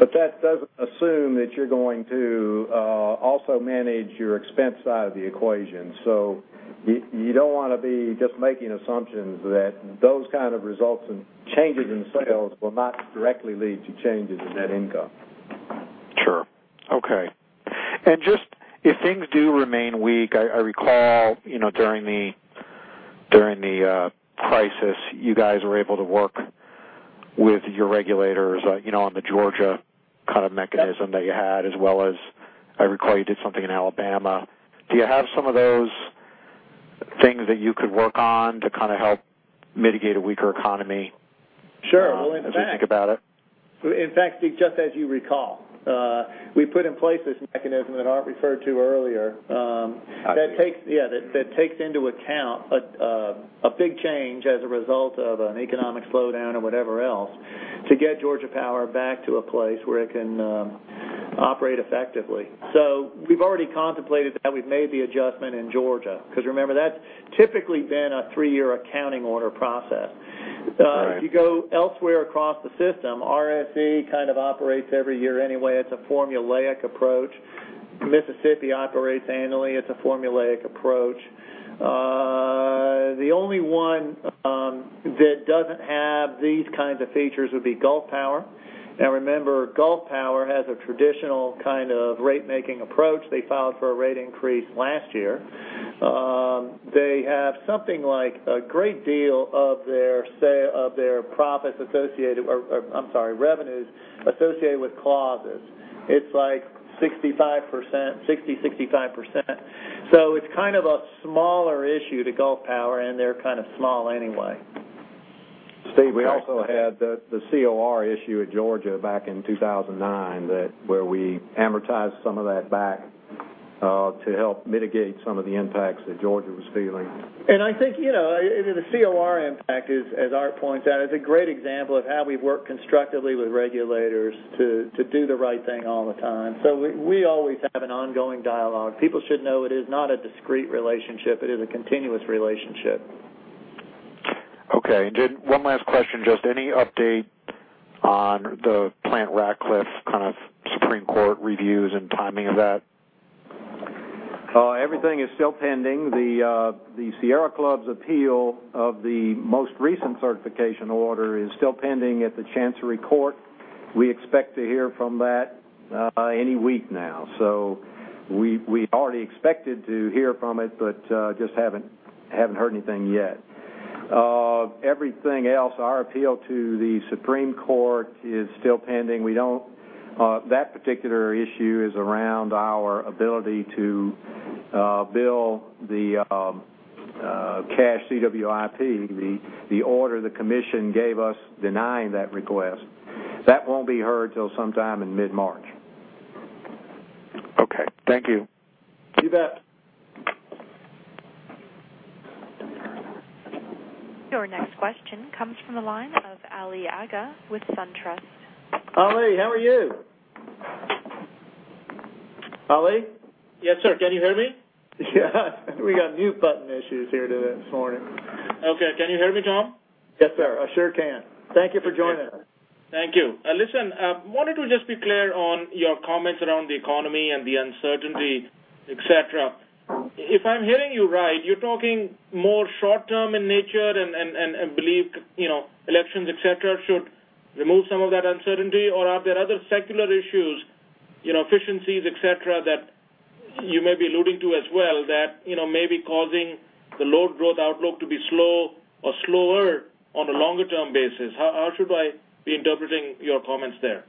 That doesn't assume that you're going to also manage your expense side of the equation. You don't want to be just making assumptions that those kind of results and changes in sales will not directly lead to changes in net income. Sure. Okay. Just if things do remain weak, I recall during the crisis, you guys were able to work with your regulators on the Georgia mechanism that you had, as well as I recall you did something in Alabama. Do you have some of those things that you could work on to help mitigate a weaker economy? Sure. Well, in fact. As you think about it in fact, Steve, just as you recall, we put in place this mechanism that Art referred to earlier. I do yeah, that takes into account a big change as a result of an economic slowdown or whatever else to get Georgia Power back to a place where it can operate effectively. We've already contemplated that. We've made the adjustment in Georgia, because remember, that's typically been a three-year accounting order process. Right. If you go elsewhere across the system, RFC kind of operates every year anyway. It's a formulaic approach. Mississippi operates annually. It's a formulaic approach. The only one that doesn't have these kinds of features would be Gulf Power. Now remember, Gulf Power has a traditional kind of rate-making approach. They filed for a rate increase last year. They have something like a great deal of their profits associated or, I'm sorry, revenues associated with clauses. It's like 60%, 65%. So it's kind of a smaller issue to Gulf Power, and they're kind of small anyway. Steve, we also had the COR issue at Georgia back in 2009, where we amortized some of that back to help mitigate some of the impacts that Georgia was feeling. I think, the COR impact is, as Art points out, is a great example of how we work constructively with regulators to do the right thing all the time. We always have an ongoing dialogue. People should know it is not a discrete relationship. It is a continuous relationship. Okay. One last question, just any update on the Plant Ratcliffe kind of Supreme Court reviews and timing of that? Everything is still pending. The Sierra Club's appeal of the most recent certification order is still pending at the Chancery Court. We expect to hear from that any week now. We'd already expected to hear from it, but just haven't heard anything yet. Everything else, our appeal to the Supreme Court is still pending. That particular issue is around our ability to bill the cash CWIP, the order the commission gave us denying that request. That won't be heard till sometime in mid-March. Okay. Thank you. You bet. Your next question comes from the line of Ali Agha with SunTrust. Ali, how are you? Ali? Yes, sir. Can you hear me? Yeah. We got mute button issues here today this morning. Okay. Can you hear me, Tom? Yes, sir. I sure can. Thank you for joining us. Thank you. Listen, I wanted to just be clear on your comments around the economy and the uncertainty, et cetera. If I'm hearing you right, you're talking more short-term in nature and believe elections, et cetera, should remove some of that uncertainty, or are there other secular issues, efficiencies, et cetera, that you may be alluding to as well that may be causing the load growth outlook to be slow or slower on a longer-term basis? How should I be interpreting your comments there?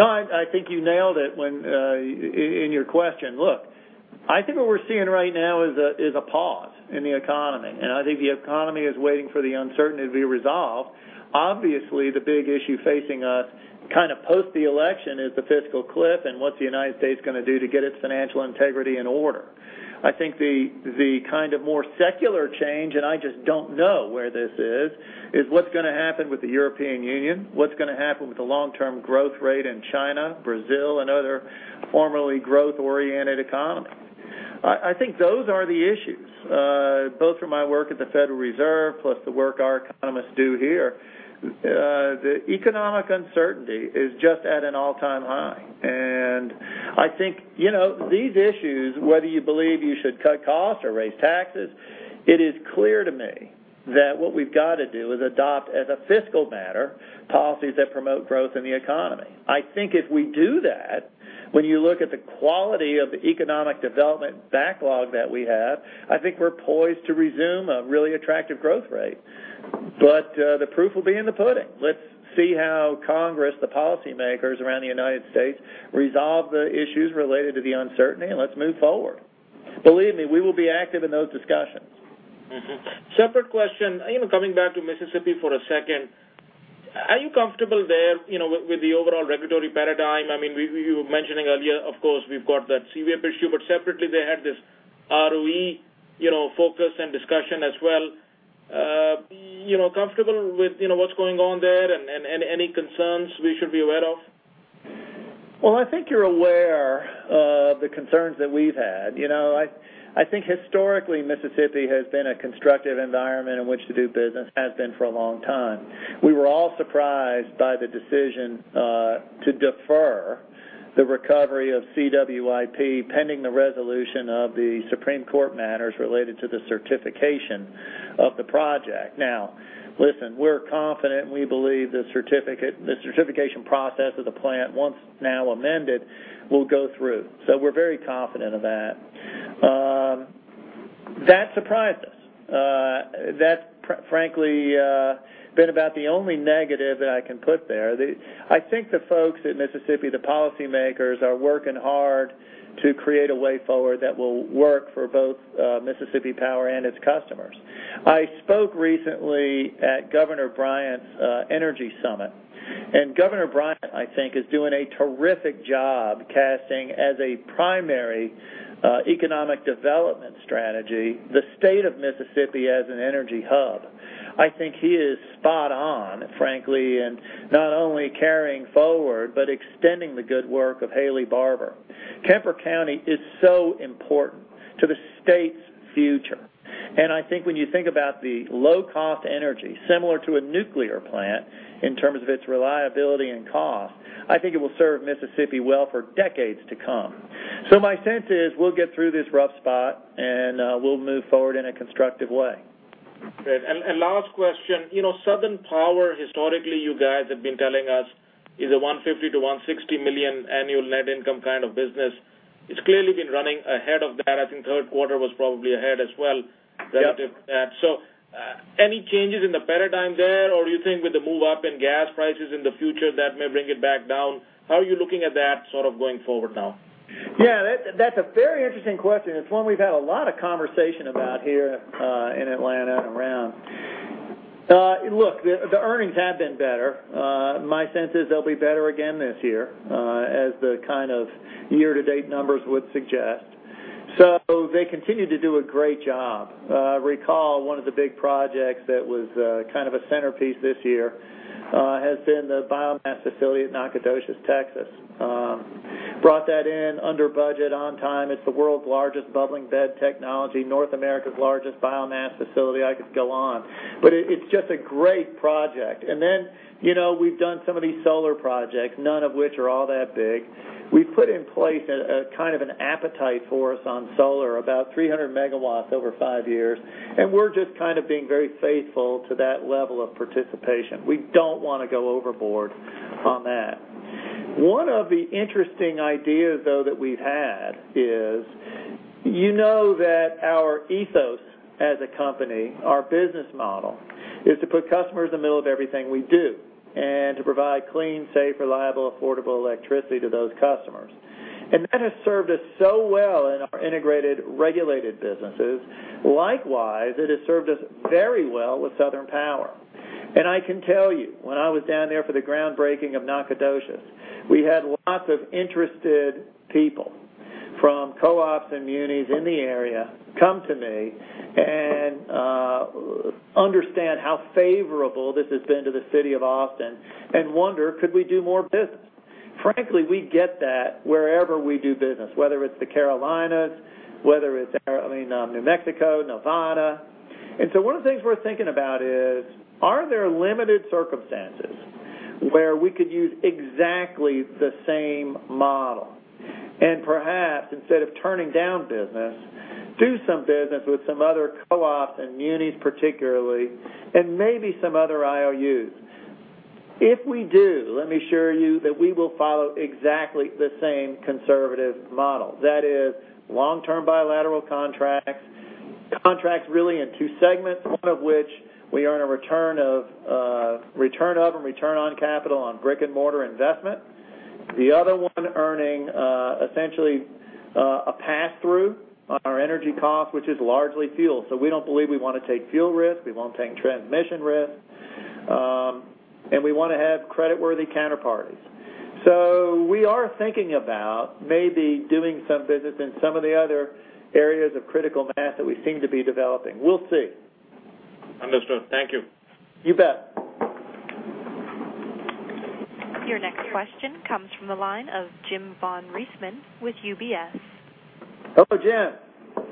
I think you nailed it in your question. Look, I think what we're seeing right now is a pause in the economy. I think the economy is waiting for the uncertainty to be resolved. Obviously, the big issue facing us kind of post the election is the fiscal cliff and what the U.S. going to do to get its financial integrity in order. I think the kind of more secular change, I just don't know where this is what's going to happen with the European Union, what's going to happen with the long-term growth rate in China, Brazil, and other formerly growth-oriented economies. I think those are the issues. Both from my work at the Federal Reserve, plus the work our economists do here, the economic uncertainty is just at an all-time high. I think these issues, whether you believe you should cut costs or raise taxes, it is clear to me that what we've got to do is adopt, as a fiscal matter, policies that promote growth in the economy. I think if we do that, when you look at the quality of the economic development backlog that we have, I think we're poised to resume a really attractive growth rate. The proof will be in the pudding. Let's see how Congress, the policymakers around the U.S., resolve the issues related to the uncertainty. Let's move forward. Believe me, we will be active in those discussions. Separate question, coming back to Mississippi for a second. Are you comfortable there with the overall regulatory paradigm? You were mentioning earlier, of course, we've got that CWIP issue, but separately, they had this ROE focus and discussion as well. Comfortable with what's going on there, and any concerns we should be aware of? Well, I think you're aware of the concerns that we've had. I think historically Mississippi has been a constructive environment in which to do business, has been for a long time. We were all surprised by the decision to defer the recovery of CWIP pending the resolution of the Supreme Court matters related to the certification of the project. Listen, we're confident and we believe the certification process of the plant, once now amended, will go through. We're very confident of that. That surprised us. That's frankly been about the only negative that I can put there. I think the folks at Mississippi, the policymakers, are working hard to create a way forward that will work for both Mississippi Power and its customers. I spoke recently at Phil Bryant's energy summit, Phil Bryant, I think, is doing a terrific job casting as a primary economic development strategy the State of Mississippi as an energy hub. I think he is spot on, frankly, in not only carrying forward, but extending the good work of Haley Barbour. Kemper County is so important to the State's future. I think when you think about the low-cost energy, similar to a nuclear plant in terms of its reliability and cost, I think it will serve Mississippi well for decades to come. My sense is we'll get through this rough spot, and we'll move forward in a constructive way. Great. Last question. Southern Power, historically, you guys have been telling us is a $150 million-$160 million annual net income kind of business. It's clearly been running ahead of that. I think third quarter was probably ahead as well relative to that. Yep. Any changes in the paradigm there, or do you think with the move up in gas prices in the future, that may bring it back down? How are you looking at that going forward now? Yeah, that's a very interesting question. It's one we've had a lot of conversation about here in Atlanta and around. Look, the earnings have been better. My sense is they'll be better again this year as the kind of year-to-date numbers would suggest. They continue to do a great job. Recall one of the big projects that was kind of a centerpiece this year has been the biomass facility at Nacogdoches, Texas. Brought that in under budget, on time. It's the world's largest bubbling bed technology, North America's largest biomass facility. I could go on. It's just a great project. We've done some of these solar projects, none of which are all that big. We've put in place a kind of an appetite for us on solar, about 300 MW over five years, and we're just kind of being very faithful to that level of participation. We don't want to go overboard on that. One of the interesting ideas, though, that we've had is, you know that our ethos as a company, our business model, is to put customers in the middle of everything we do and to provide clean, safe, reliable, affordable electricity to those customers. That has served us so well in our integrated regulated businesses. Likewise, it has served us very well with Southern Power. I can tell you, when I was down there for the groundbreaking of Nacogdoches, we had lots of interested people from co-ops and munis in the area come to me and understand how favorable this has been to the city of Austin and wonder, could we do more business? Frankly, we get that wherever we do business, whether it's the Carolinas, whether it's New Mexico, Nevada. One of the things we're thinking about is, are there limited circumstances where we could use exactly the same model and perhaps instead of turning down business, do some business with some other co-ops and munis particularly, and maybe some other IOUs. If we do, let me assure you that we will follow exactly the same conservative model. That is long-term bilateral contracts really in two segments, one of which we earn a return of and return on capital on brick-and-mortar investment. The other one earning essentially a pass-through on our energy cost, which is largely fuel. We don't believe we want to take fuel risk. We won't take transmission risk. We want to have creditworthy counterparties. We are thinking about maybe doing some business in some of the other areas of critical mass that we seem to be developing. We'll see. Understood. Thank you. You bet. Your next question comes from the line of Jim von Riesemann with UBS. Hello, Jim.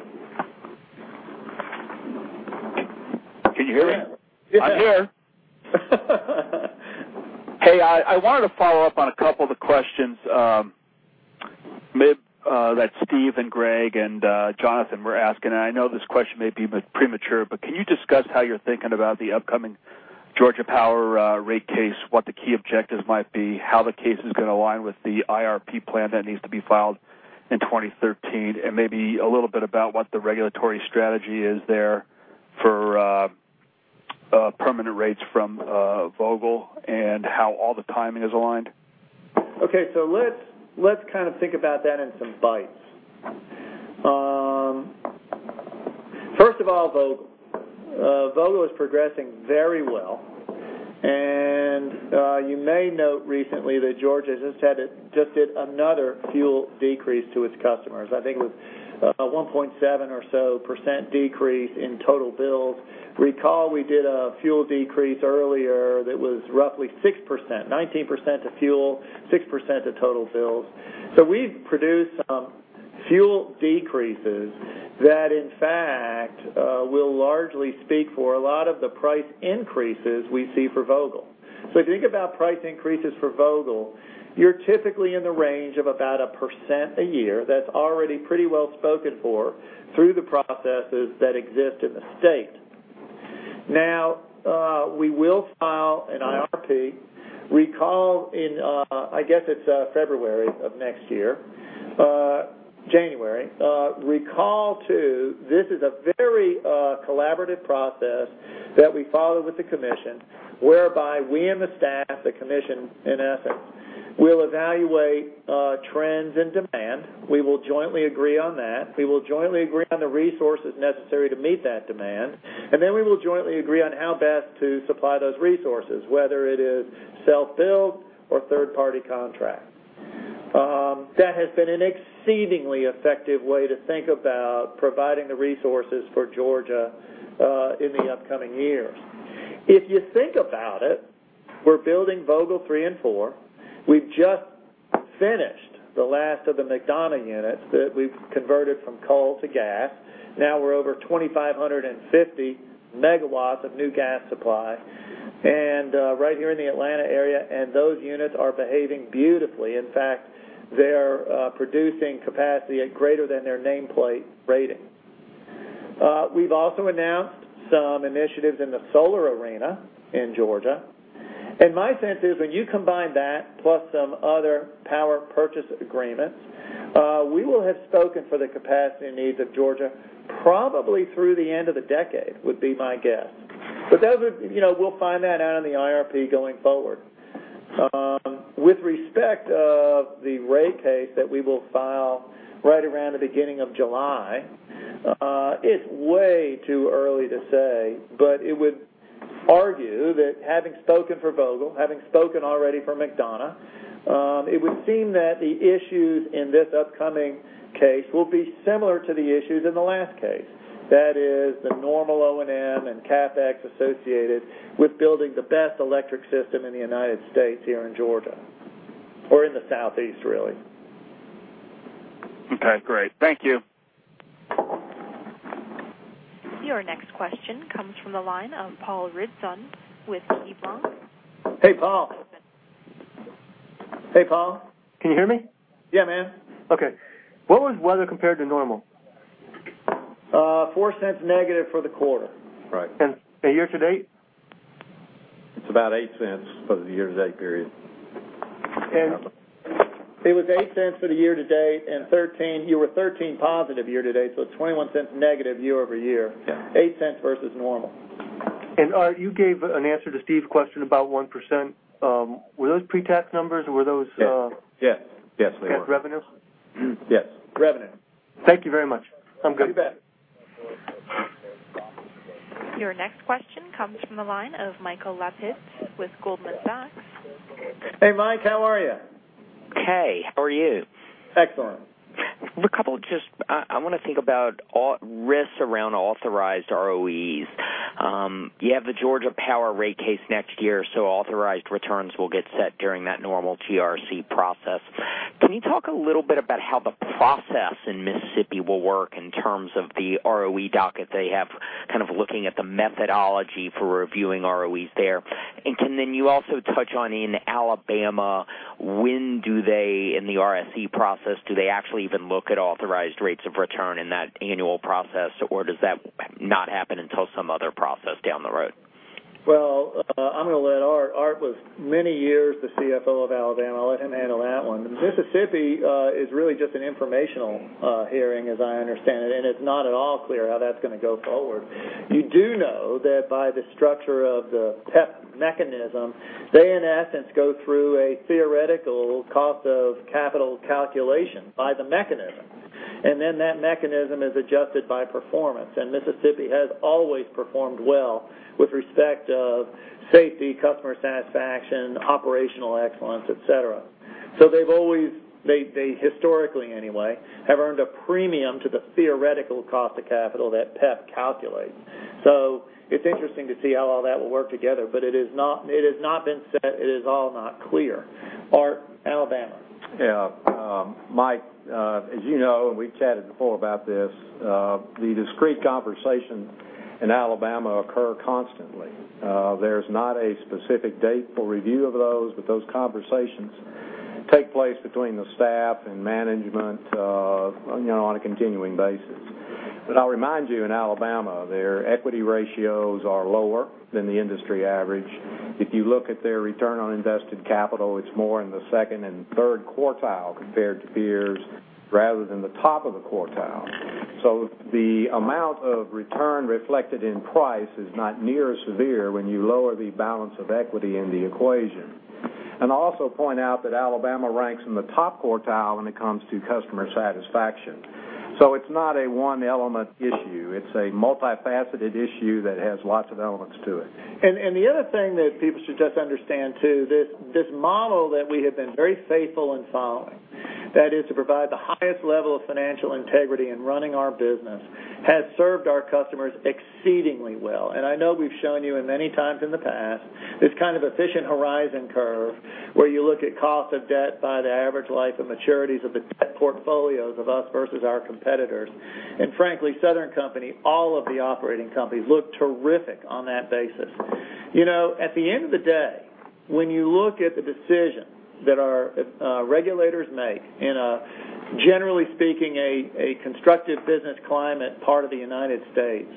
Can you hear me? I'm here. Hey, I wanted to follow up on a couple of the questions that Steve and Greg and Jonathan were asking. I know this question may be premature, but can you discuss how you're thinking about the upcoming Georgia Power rate case, what the key objectives might be, how the case is going to align with the IRP plan that needs to be filed in 2013, and maybe a little bit about what the regulatory strategy is there for permanent rates from Vogtle and how all the timing is aligned? Okay. Let's kind of think about that in some bites. First of all, Vogtle is progressing very well. You may note recently that Georgia just did another fuel decrease to its customers. I think it was a 1.7% or so decrease in total bills. Recall we did a fuel decrease earlier that was roughly 6%, 19% to fuel, 6% to total bills. We've produced some fuel decreases that, in fact, will largely speak for a lot of the price increases we see for Vogtle. If you think about price increases for Vogtle, you're typically in the range of about 1% a year. That's already pretty well spoken for through the processes that exist in the state. We will file an IRP. Recall in, I guess it's February of next year. January. Recall too, this is a very collaborative process that we follow with the Commission, whereby we and the staff, the Commission in essence, will evaluate trends and demand. We will jointly agree on that. We will jointly agree on the resources necessary to meet that demand. Then we will jointly agree on how best to supply those resources, whether it is self-build or third-party contract. That has been an exceedingly effective way to think about providing the resources for Georgia in the upcoming years. If you think about it, we're building Vogtle 3 and 4. We've just finished the last of the McDonough units that we've converted from coal to gas. Now we're over 2,550 MW of new gas supply right here in the Atlanta area, and those units are behaving beautifully. In fact, they are producing capacity at greater than their nameplate rating. We've also announced some initiatives in the solar arena in Georgia. My sense is when you combine that plus some other power purchase agreement, we will have spoken for the capacity needs of Georgia probably through the end of the decade, would be my guess. We'll find that out in the IRP going forward. With respect of the rate case that we will file right around the beginning of July, it's way too early to say, but it would argue that having spoken for Vogtle, having spoken already for McDonough, it would seem that the issues in this upcoming case will be similar to the issues in the last case. That is the normal O&M and CapEx associated with building the best electric system in the United States here in Georgia, or in the Southeast, really. Okay, great. Thank you. Your next question comes from the line of Paul Ridzon with KeyBanc. Hey, Paul. Hey, Paul, can you hear me? Yeah, man. Okay. What was weather compared to normal? $0.04 negative for the quarter. Right. A year-to-date? It's about $0.08 for the year-to-date period. It was $0.08 for the year-to-date, you were $0.13 positive year-to-date, it's $0.21 negative year-over-year. Yeah. $0.08 versus normal. Art, you gave an answer to Steve's question about 1%. Were those pre-tax numbers, or were those? Yes. Yes, they were. Tax revenues? Yes. Revenues. Thank you very much. I'm good. You bet. Your next question comes from the line of Michael Lapides with Goldman Sachs. Hey, Mike, how are you? Hey, how are you? Excellent. I want to think about risks around authorized ROEs. You have the Georgia Power rate case next year, so authorized returns will get set during that normal TRC process. Can you talk a little bit about how the process in Mississippi will work in terms of the ROE docket they have, kind of looking at the methodology for reviewing ROEs there? Can you then also touch on in Alabama, when do they in the RSC process, do they actually even look at authorized rates of return in that annual process, or does that not happen until some other process down the road? Well, I'm going to let Art. Art was many years the CFO of Alabama. I'll let him handle that one. Mississippi is really just an informational hearing as I understand it. It's not at all clear how that's going to go forward. You do know that by the structure of the PEP mechanism, they in essence go through a theoretical cost of capital calculation by the mechanism. That mechanism is adjusted by performance. Mississippi has always performed well with respect of safety, customer satisfaction, operational excellence, et cetera. They've always, historically anyway, have earned a premium to the theoretical cost of capital that PEP calculates. It's interesting to see how all that will work together, but it has not been set. It is all not clear. Art, Alabama. Yeah. Mark, as you know, we've chatted before about this, the discrete conversations in Alabama occur constantly. There's not a specific date for review of those. Those conversations take place between the staff and management on a continuing basis. I'll remind you, in Alabama, their equity ratios are lower than the industry average. If you look at their return on invested capital, it's more in the second and third quartile compared to peers rather than the top of the quartile. The amount of return reflected in price is not near as severe when you lower the balance of equity in the equation. I'll also point out that Alabama ranks in the top quartile when it comes to customer satisfaction. It's not a one-element issue. It's a multifaceted issue that has lots of elements to it. The other thing that people should just understand, too, this model that we have been very faithful in following, that is to provide the highest level of financial integrity in running our business, has served our customers exceedingly well. I know we've shown you in many times in the past this kind of efficient horizon curve where you look at cost of debt by the average life of maturities of the debt portfolios of us versus our competitors. Frankly, Southern Company, all of the operating companies look terrific on that basis. At the end of the day, when you look at the decisions that our regulators make in a, generally speaking, a constructive business climate part of the United States,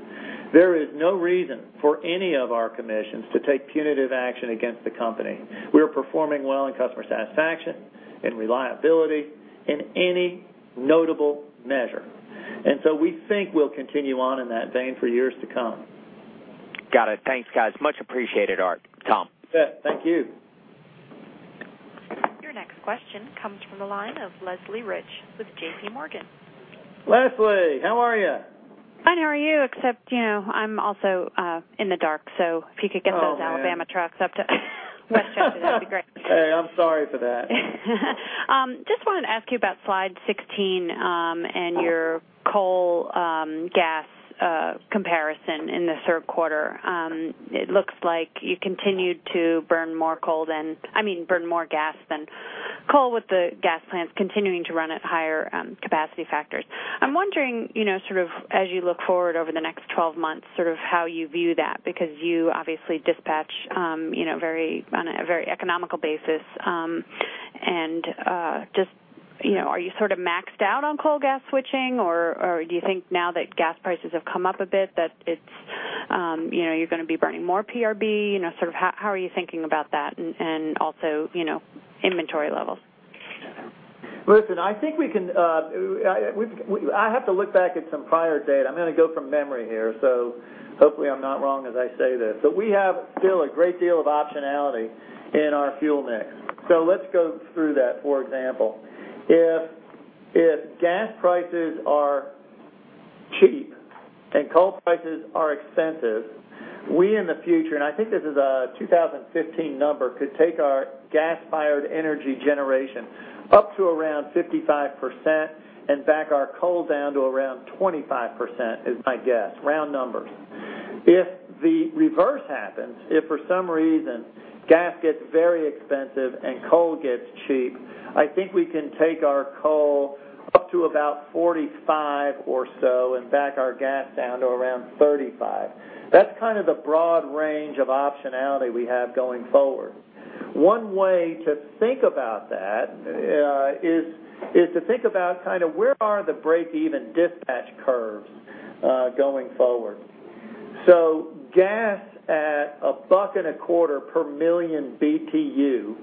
there is no reason for any of our commissions to take punitive action against the company. We're performing well in customer satisfaction and reliability in any notable measure. We think we'll continue on in that vein for years to come. Got it. Thanks, guys. Much appreciated, Art, Tom. You bet. Thank you. Your next question comes from the line of Leslie Rich with JP Morgan. Leslie, how are you? Fine. How are you? I'm also in the dark, if you could get those Alabama trucks up to West Virginia, that'd be great. Hey, I'm sorry for that. Just wanted to ask you about slide 16 and your coal gas comparison in the third quarter. It looks like you continued to burn more gas than coal with the gas plants continuing to run at higher capacity factors. I'm wondering, as you look forward over the next 12 months, how you view that, because you obviously dispatch on a very economical basis. Are you sort of maxed out on coal gas switching? Do you think now that gas prices have come up a bit, that you're going to be burning more PRB? How are you thinking about that, and also inventory levels? Listen, I have to look back at some prior data. I'm going to go from memory here, so hopefully I'm not wrong as I say this. We have still a great deal of optionality in our fuel mix. Let's go through that. For example, if gas prices are cheap and coal prices are expensive, we in the future, and I think this is a 2015 number, could take our gas-fired energy generation up to around 55% and back our coal down to around 25%, is my guess. Round numbers. If the reverse happens, if for some reason gas gets very expensive and coal gets cheap, I think we can take our coal up to about 45% or so, and back our gas down to around 35%. That's kind of the broad range of optionality we have going forward. One way to think about that is to think about where are the break-even dispatch curves going forward. Gas at $1.25 per million BTU,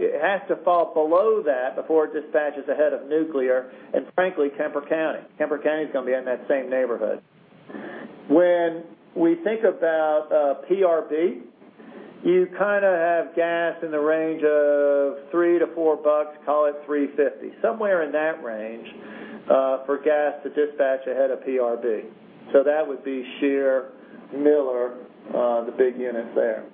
it has to fall below that before it dispatches ahead of nuclear and frankly, Kemper County. Kemper County's going to be in that same neighborhood. When we think about PRB, you kind of have gas in the range of $3-$4, call it $3.50, somewhere in that range for gas to dispatch ahead of PRB. That would be Scherer, Miller, the big units there.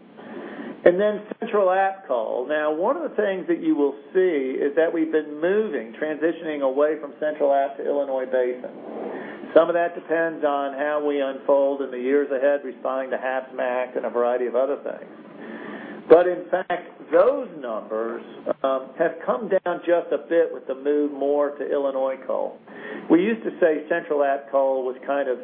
Then Central Appalachian coal. One of the things that you will see is that we've been moving, transitioning away from Central Appalachian to Illinois Basin. Some of that depends on how we unfold in the years ahead, responding to HAPS MACT and a variety of other things. In fact, those numbers have come down just a bit with the move more to Illinois coal. We used to say Central Appalachian coal was kind of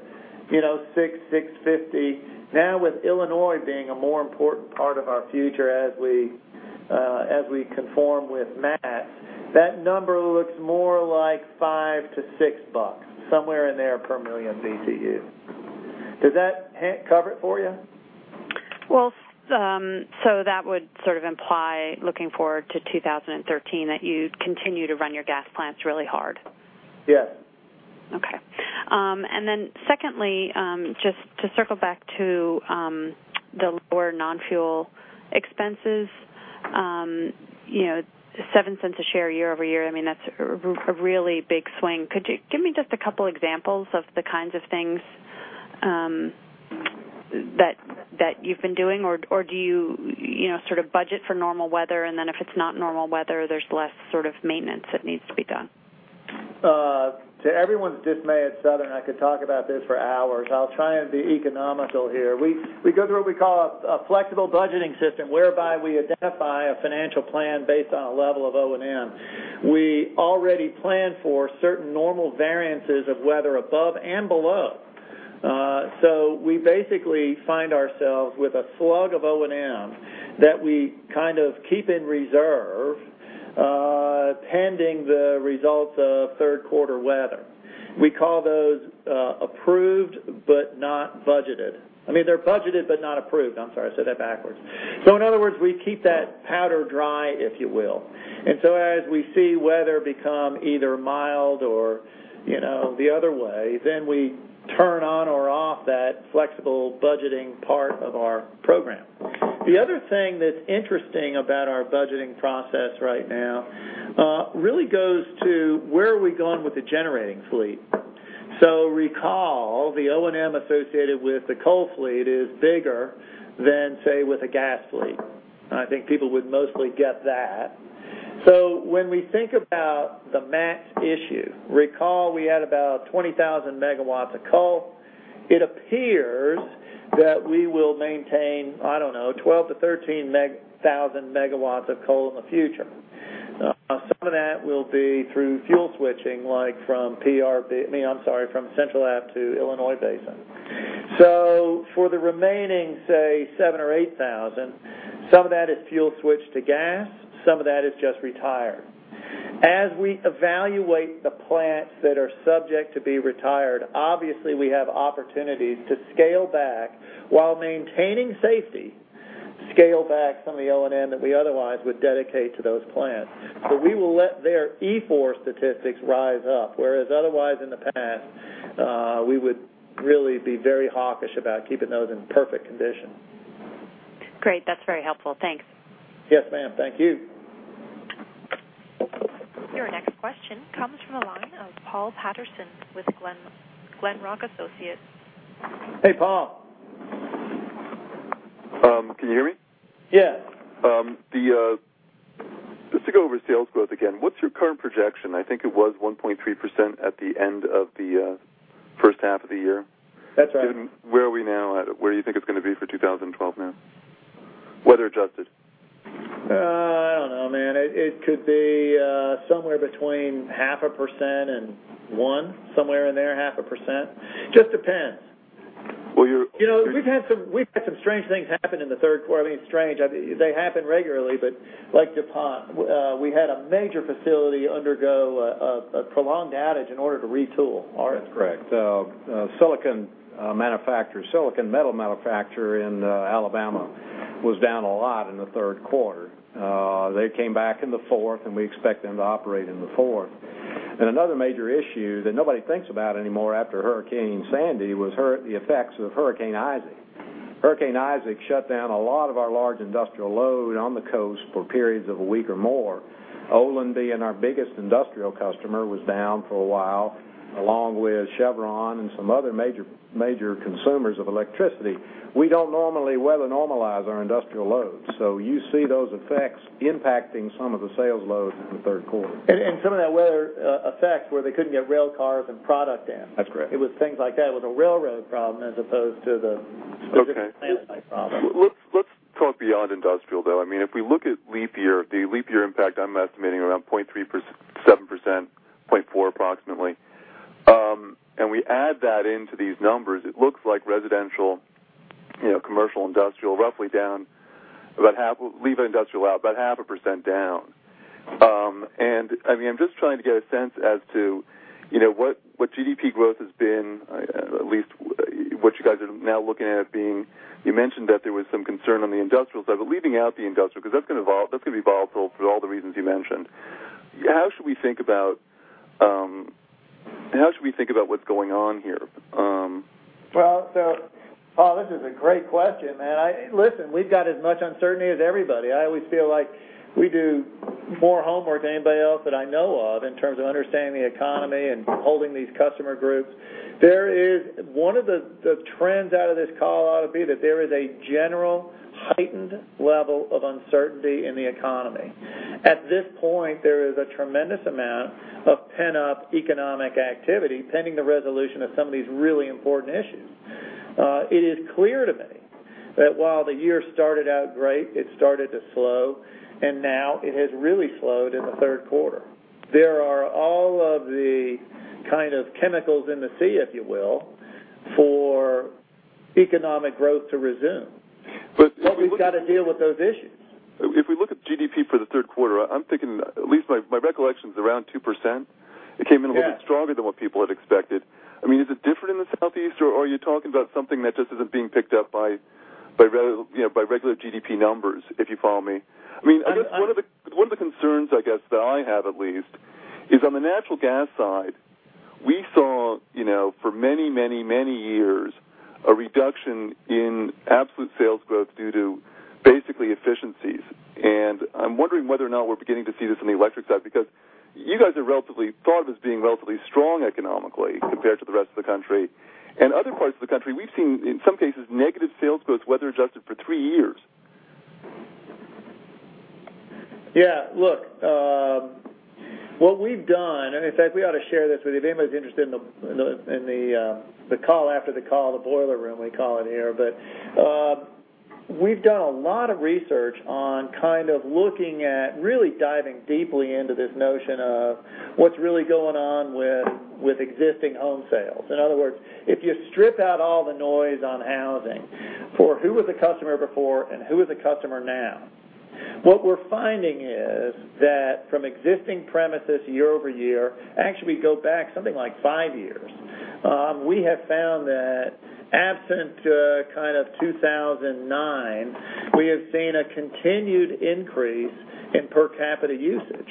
$6, $6.50. With Illinois being a more important part of our future as we conform with MATS, that number looks more like $5-$6, somewhere in there per million BTU. Does that cover it for you? That would sort of imply, looking forward to 2013, that you'd continue to run your gas plants really hard. Yes. Secondly, just to circle back to the lower non-fuel expenses. $0.07 a share year-over-year, that's a really big swing. Could you give me just a couple examples of the kinds of things that you've been doing? Do you sort of budget for normal weather and then if it's not normal weather, there's less maintenance that needs to be done? To everyone's dismay at Southern, I could talk about this for hours. I'll try and be economical here. We go through what we call a flexible budgeting system, whereby we identify a financial plan based on a level of O&M. We already plan for certain normal variances of weather above and below. We basically find ourselves with a slug of O&M that we kind of keep in reserve, pending the results of third quarter weather. We call those approved but not budgeted. I mean, they're budgeted but not approved. I'm sorry, I said that backwards. In other words, we keep that powder dry, if you will. As we see weather become either mild or the other way, then we turn on or off that flexible budgeting part of our program. The other thing that's interesting about our budgeting process right now really goes to where are we going with the generating fleet. Recall, the O&M associated with the coal fleet is bigger than, say, with a gas fleet. I think people would mostly get that. When we think about the MATS issue, recall we had about 20,000 MW of coal. It appears that we will maintain, I don't know, 12,000-13,000 MW of coal in the future. Some of that will be through fuel switching, like from Central Appalachian to Illinois Basin. For the remaining, say 7,000 or 8,000, some of that is fuel switched to gas, some of that is just retired. As we evaluate the plants that are subject to be retired, obviously we have opportunities to scale back while maintaining safety, scale back some of the O&M that we otherwise would dedicate to those plants. We will let their EFOR statistics rise up, whereas otherwise in the past, we would really be very hawkish about keeping those in perfect condition. Great. That's very helpful. Thanks. Yes, ma'am. Thank you. Your next question comes from the line of Paul Patterson with Glenrock Associates. Hey, Paul. Can you hear me? Yeah. Just to go over sales growth again, what's your current projection? I think it was 1.3% at the end of the first half of the year. That's right. Where are we now at it? Where do you think it's going to be for 2012 now? Weather adjusted. I don't know, man. It could be somewhere between half a percent and one, somewhere in there, half a percent. Just depends. Well, we've had some strange things happen in the third quarter. Strange, they happen regularly, but like DuPont, we had a major facility undergo a prolonged outage in order to retool. That's correct. A silicon metal manufacturer in Alabama was down a lot in the third quarter. They came back in the fourth, and we expect them to operate in the fourth. Another major issue that nobody thinks about anymore after Hurricane Sandy was the effects of Hurricane Isaac. Hurricane Isaac shut down a lot of our large industrial load on the coast for periods of a week or more. Olin being our biggest industrial customer was down for a while, along with Chevron and some other major consumers of electricity. We don't normally weather normalize our industrial loads. You see those effects impacting some of the sales loads in the third quarter. Some of that weather effects where they couldn't get rail cars and product in. That's correct. It was things like that with a railroad problem as opposed to. Okay Supply problem. Let's talk beyond industrial, though. If we look at the leap year impact, I'm estimating around 0.37%, 0.4 approximately. We add that into these numbers, it looks like residential, commercial, industrial, leave industrial out, about half a percent down. I'm just trying to get a sense as to what GDP growth has been, at least what you guys are now looking at it being. You mentioned that there was some concern on the industrial side, leaving out the industrial, because that's going to be volatile for all the reasons you mentioned. How should we think about what's going on here? Well, Paul, this is a great question, man. Listen, we've got as much uncertainty as everybody. I always feel like we do more homework than anybody else that I know of in terms of understanding the economy and holding these customer groups. One of the trends out of this call ought to be that there is a general heightened level of uncertainty in the economy. At this point, there is a tremendous amount of pent-up economic activity pending the resolution of some of these really important issues. It is clear to me that while the year started out great, it started to slow, and now it has really slowed in the third quarter. There are all of the kind of chemicals in the sea, if you will, for economic growth to resume. But if we look- We've got to deal with those issues If we look at GDP for the third quarter, I'm thinking, at least my recollection's around 2%. Yeah. It came in a little bit stronger than what people had expected. Is it different in the Southeast, or are you talking about something that just isn't being picked up by regular GDP numbers, if you follow me? One of the concerns, I guess, that I have at least, is on the natural gas side. We saw, for many years, a reduction in absolute sales growth due to basically efficiencies. I'm wondering whether or not we're beginning to see this on the electric side because you guys are thought of as being relatively strong economically compared to the rest of the country. In other parts of the country, we've seen, in some cases, negative sales growth, weather-adjusted, for three years. Yeah. Look, what we've done, and in fact, we ought to share this with anybody who's interested in the call after the call, the boiler room, we call it here. We've done a lot of research on looking at really diving deeply into this notion of what's really going on with existing home sales. In other words, if you strip out all the noise on housing for who was a customer before and who is a customer now. What we're finding is that from existing premises year-over-year, actually we go back something like five years. We have found that absent 2009, we have seen a continued increase in per capita usage.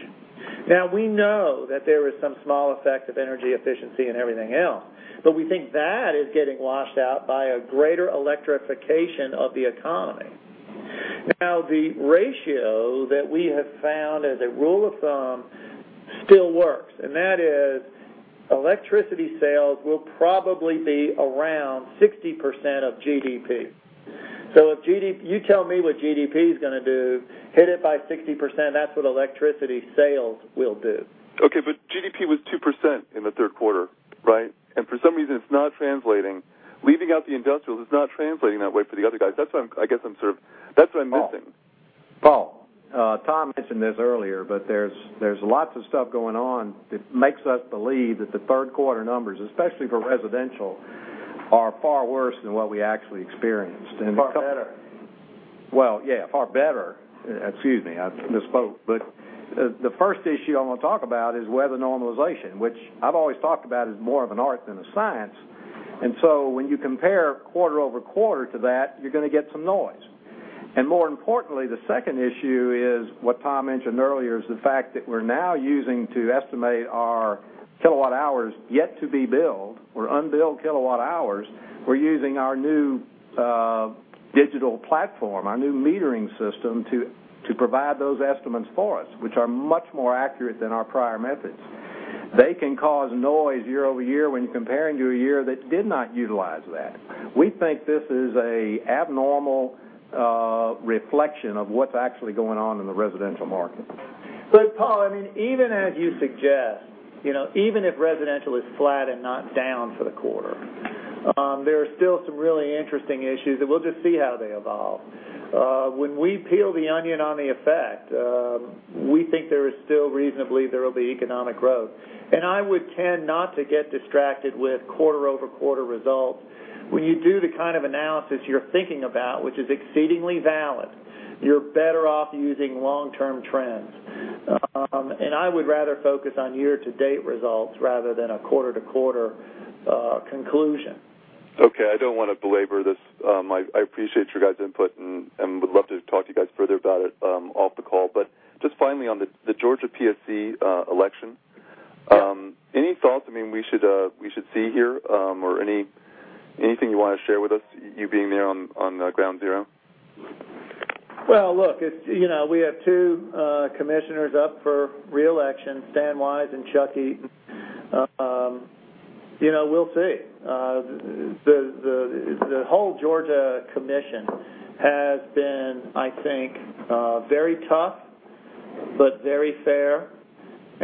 Now we know that there is some small effect of energy efficiency and everything else, but we think that is getting washed out by a greater electrification of the economy. Now, the ratio that we have found as a rule of thumb still works, and that is electricity sales will probably be around 60% of GDP. If you tell me what GDP is going to do, hit it by 60%, that's what electricity sales will do. Okay, GDP was 2% in the third quarter, right? For some reason, it's not translating. Leaving out the industrials, it's not translating that way for the other guys. That's what I'm missing. Paul. Tom mentioned this earlier, but there's lots of stuff going on that makes us believe that the third quarter numbers, especially for residential, are far worse than what we actually experienced. Far better. Well, yeah, far better. Excuse me, I misspoke. The first issue I want to talk about is weather normalization, which I've always talked about as more of an art than a science. So when you compare quarter-over-quarter to that, you're going to get some noise. More importantly, the second issue is what Tom mentioned earlier, is the fact that we're now using to estimate our kilowatt hours yet to be billed or unbilled kilowatt hours. We're using our new digital platform, our new metering system to provide those estimates for us, which are much more accurate than our prior methods. They can cause noise year-over-year when you're comparing to a year that did not utilize that. We think this is an abnormal reflection of what's actually going on in the residential market. Paul, even as you suggest, even if residential is flat and not down for the quarter, there are still some really interesting issues, and we'll just see how they evolve. When we peel the onion on the effect, we think there is still reasonably there will be economic growth. I would tend not to get distracted with quarter-over-quarter results. When you do the kind of analysis you're thinking about, which is exceedingly valid. You're better off using long-term trends. I would rather focus on year-to-date results rather than a quarter-to-quarter conclusion. Okay. I don't want to belabor this. I appreciate your guys' input and would love to talk to you guys further about it off the call. Just finally on the Georgia PSC election, any thoughts we should see here? Anything you want to share with us, you being there on ground zero? Well, look, we have two commissioners up for re-election, Stan Wise and Chuck Eaton. We'll see. The whole Georgia Commission has been, I think, very tough but very fair,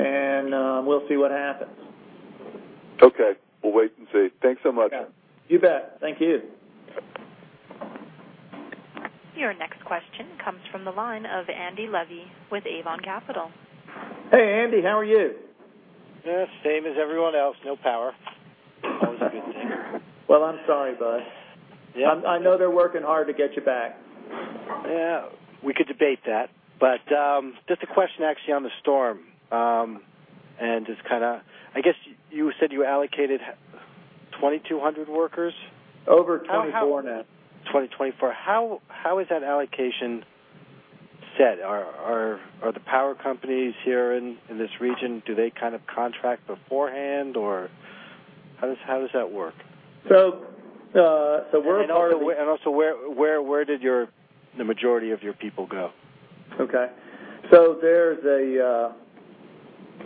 and we'll see what happens. Okay. We'll wait and see. Thanks so much. You bet. Thank you. Your next question comes from the line of Andy Levy with Avon Capital. Hey, Andy, how are you? Same as everyone else. No power. Always a good thing. Well, I'm sorry, bud. Yeah. I know they're working hard to get you back. Yeah, we could debate that. Just a question actually on the storm. I guess you said you allocated 2,200 workers? Over 24 now. 24. How is that allocation set? Are the power companies here in this region, do they kind of contract beforehand, or how does that work? We're part of- Where did the majority of your people go? Okay.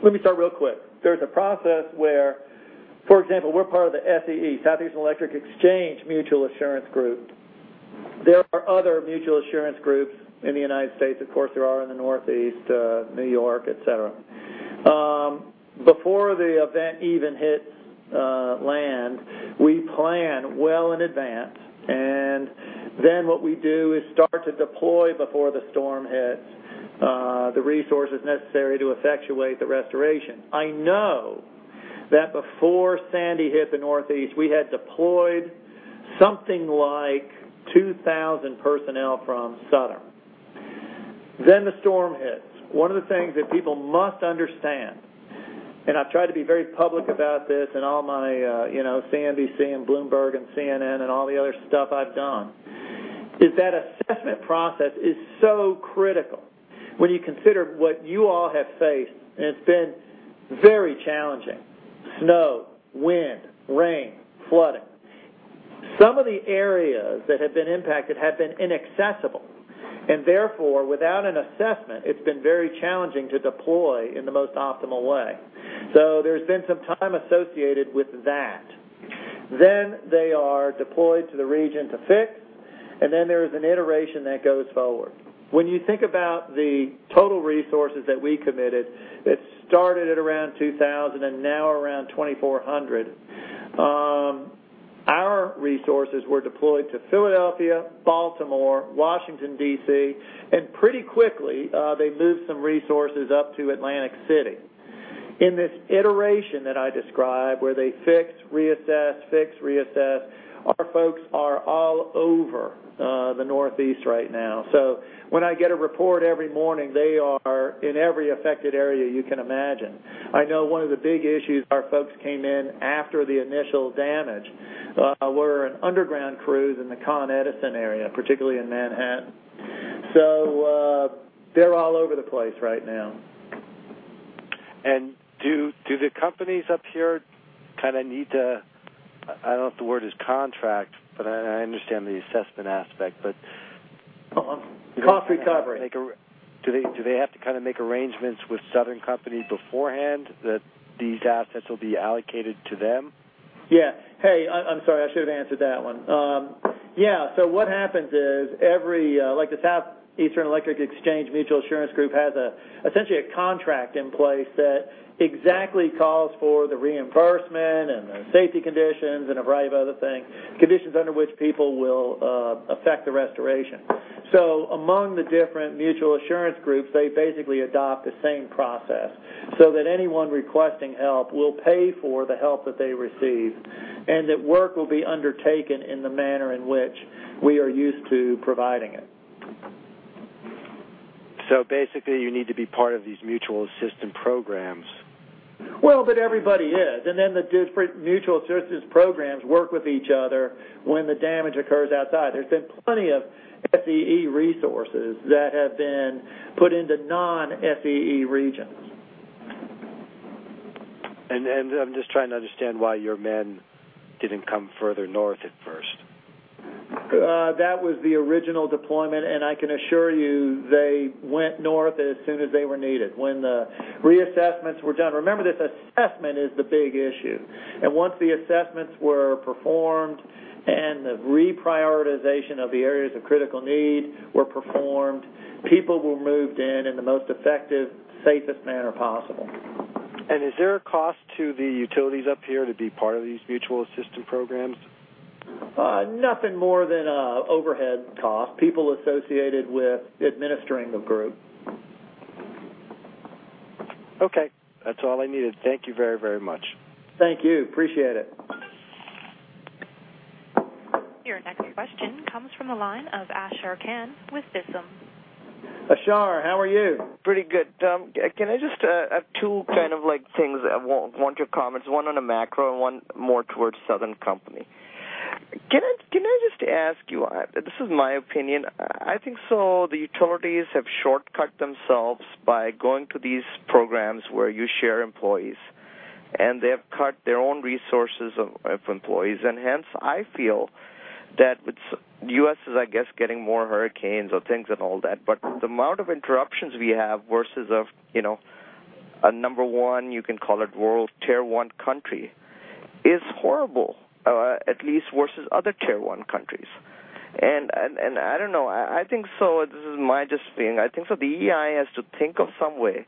Let me start real quick. There's a process where, for example, we're part of the SEE, Southeastern Electric Exchange Mutual Assurance Group. There are other mutual assurance groups in the U.S. Of course, there are in the Northeast, N.Y., et cetera. Before the event even hits land, we plan well in advance, what we do is start to deploy before the storm hits the resources necessary to effectuate the restoration. I know that before Sandy hit the Northeast, we had deployed something like 2,000 personnel from Southern. The storm hits. One of the things that people must understand, and I've tried to be very public about this in all my CNBC and Bloomberg and CNN and all the other stuff I've done, is that assessment process is so critical when you consider what you all have faced, and it's been very challenging. Snow, wind, rain, flooding. Some of the areas that have been impacted have been inaccessible, and therefore, without an assessment, it's been very challenging to deploy in the most optimal way. There's been some time associated with that. They are deployed to the region to fix, there is an iteration that goes forward. When you think about the total resources that we committed, it started at around 2,000 and now around 2,400. Our resources were deployed to Philadelphia, Baltimore, Washington, D.C., and pretty quickly, they moved some resources up to Atlantic City. In this iteration that I described, where they fix, reassess, fix, reassess, our folks are all over the Northeast right now. When I get a report every morning, they are in every affected area you can imagine. I know one of the big issues our folks came in after the initial damage were underground crews in the Con Edison area, particularly in Manhattan. They're all over the place right now. Do the Southern companies up here kind of need to, I don't know if the word is contract, but I understand the assessment aspect. Cost recovery Do they have to make arrangements with Southern companies beforehand that these assets will be allocated to them? Hey, I'm sorry, I should've answered that one. What happens is every, like the Southeastern Electric Exchange Mutual Assurance Group has essentially a contract in place that exactly calls for the reimbursement and the safety conditions and a variety of other things, conditions under which people will affect the restoration. Among the different mutual assurance groups, they basically adopt the same process so that anyone requesting help will pay for the help that they receive, and that work will be undertaken in the manner in which we are used to providing it. Basically, you need to be part of these mutual assistance programs. Everybody is. The different mutual assistance programs work with each other when the damage occurs outside. There's been plenty of SEE resources that have been put into non-SEE regions. I'm just trying to understand why your men didn't come further north at first. That was the original deployment, and I can assure you they went north as soon as they were needed when the reassessments were done. Remember, this assessment is the big issue. Once the assessments were performed and the reprioritization of the areas of critical need were performed, people were moved in in the most effective, safest manner possible. Is there a cost to the utilities up here to be part of these mutual assistance programs? Nothing more than a overhead cost. People associated with administering the group. Okay. That's all I needed. Thank you very much. Thank you. Appreciate it. Your next question comes from the line of Ashar Khan with Visium. Ashar, how are you? Pretty good. Can I just have two things, one, to comment, one on a macro and one more towards Southern Company. Can I just ask you, this is my opinion, I think so the utilities have shortcut themselves by going to these programs where you share employees, hence, I feel that with U.S. is, I guess, getting more hurricanes or things and all that. The amount of interruptions we have versus of a number one, you can call it world tier 1 country, is horrible. At least versus other tier 1 countries. I don't know. I think so, this is my just opinion, I think so the EEI has to think of some way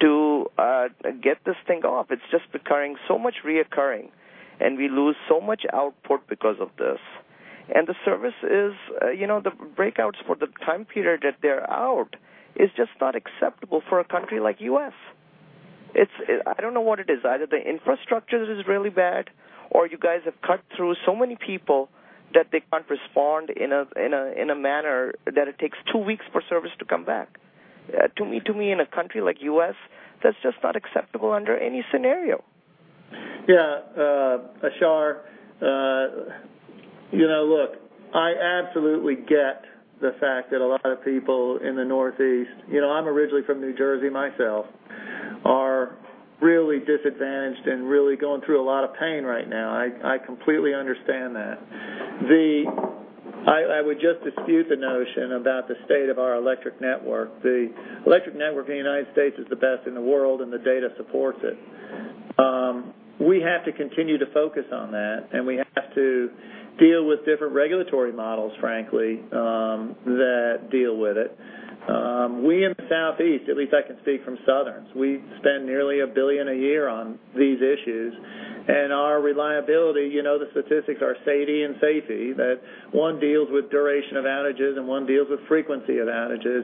to get this thing off. It's just occurring so much reoccurring, and we lose so much output because of this. The service is, the breakouts for the time period that they're out is just not acceptable for a country like U.S. I don't know what it is. Either the infrastructure is really bad or you guys have cut through so many people that they can't respond in a manner that it takes 2 weeks for service to come back. To me, in a country like U.S., that's just not acceptable under any scenario. Yeah. Ashar, look, I absolutely get the fact that a lot of people in the Northeast, I'm originally from New Jersey myself, are really disadvantaged and really going through a lot of pain right now. I completely understand that. I would just dispute the notion about the state of our electric network. The electric network in the United States is the best in the world. The data supports it. We have to continue to focus on that. We have to deal with different regulatory models, frankly, that deal with it. We in the Southeast, at least I can speak from Southern's, we spend nearly $1 billion a year on these issues. Our reliability, the statistics are SAIDI and SAIFI. That one deals with duration of outages, and one deals with frequency of outages.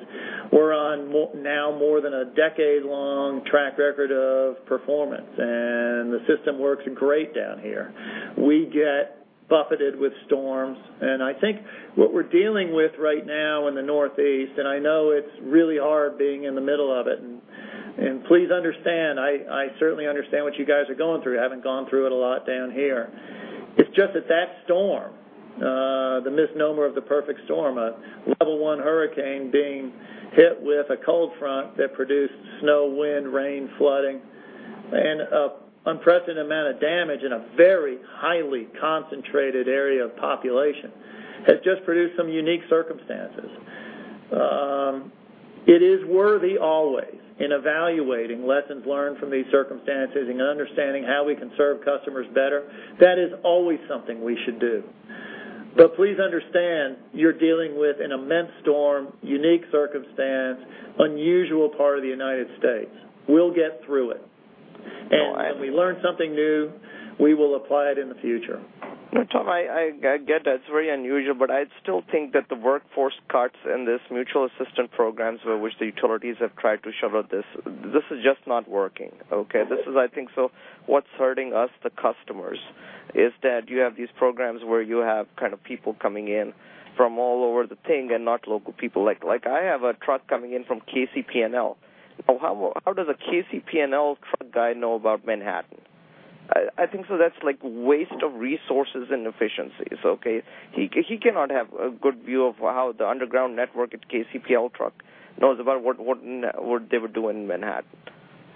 We're on now more than a decade-long track record of performance. The system works great down here. We get buffeted with storms. I think what we're dealing with right now in the Northeast. I know it's really hard being in the middle of it. Please understand, I certainly understand what you guys are going through, having gone through it a lot down here. It's just that storm, the misnomer of the perfect storm, a level 1 hurricane being hit with a cold front that produced snow, wind, rain, flooding, unprecedented amount of damage in a very highly concentrated area of population, has just produced some unique circumstances. It is worthy always in evaluating lessons learned from these circumstances and understanding how we can serve customers better. That is always something we should do. Please understand, you're dealing with an immense storm, unique circumstance, unusual part of the U.S. We'll get through it. All right. If we learn something new, we will apply it in the future. No, Tom, I get that. It's very unusual, but I'd still think that the workforce cuts and this mutual assistance programs by which the utilities have tried to shovel this is just not working. Okay. This is, I think so what's hurting us, the customers, is that you have these programs where you have kind of people coming in from all over the thing and not local people. Like I have a truck coming in from KCP&L. How does a KCP&L truck guy know about Manhattan? I think so that's like waste of resources and efficiencies, okay. He cannot have a good view of how the underground network at KCP&L truck knows about what they would do in Manhattan.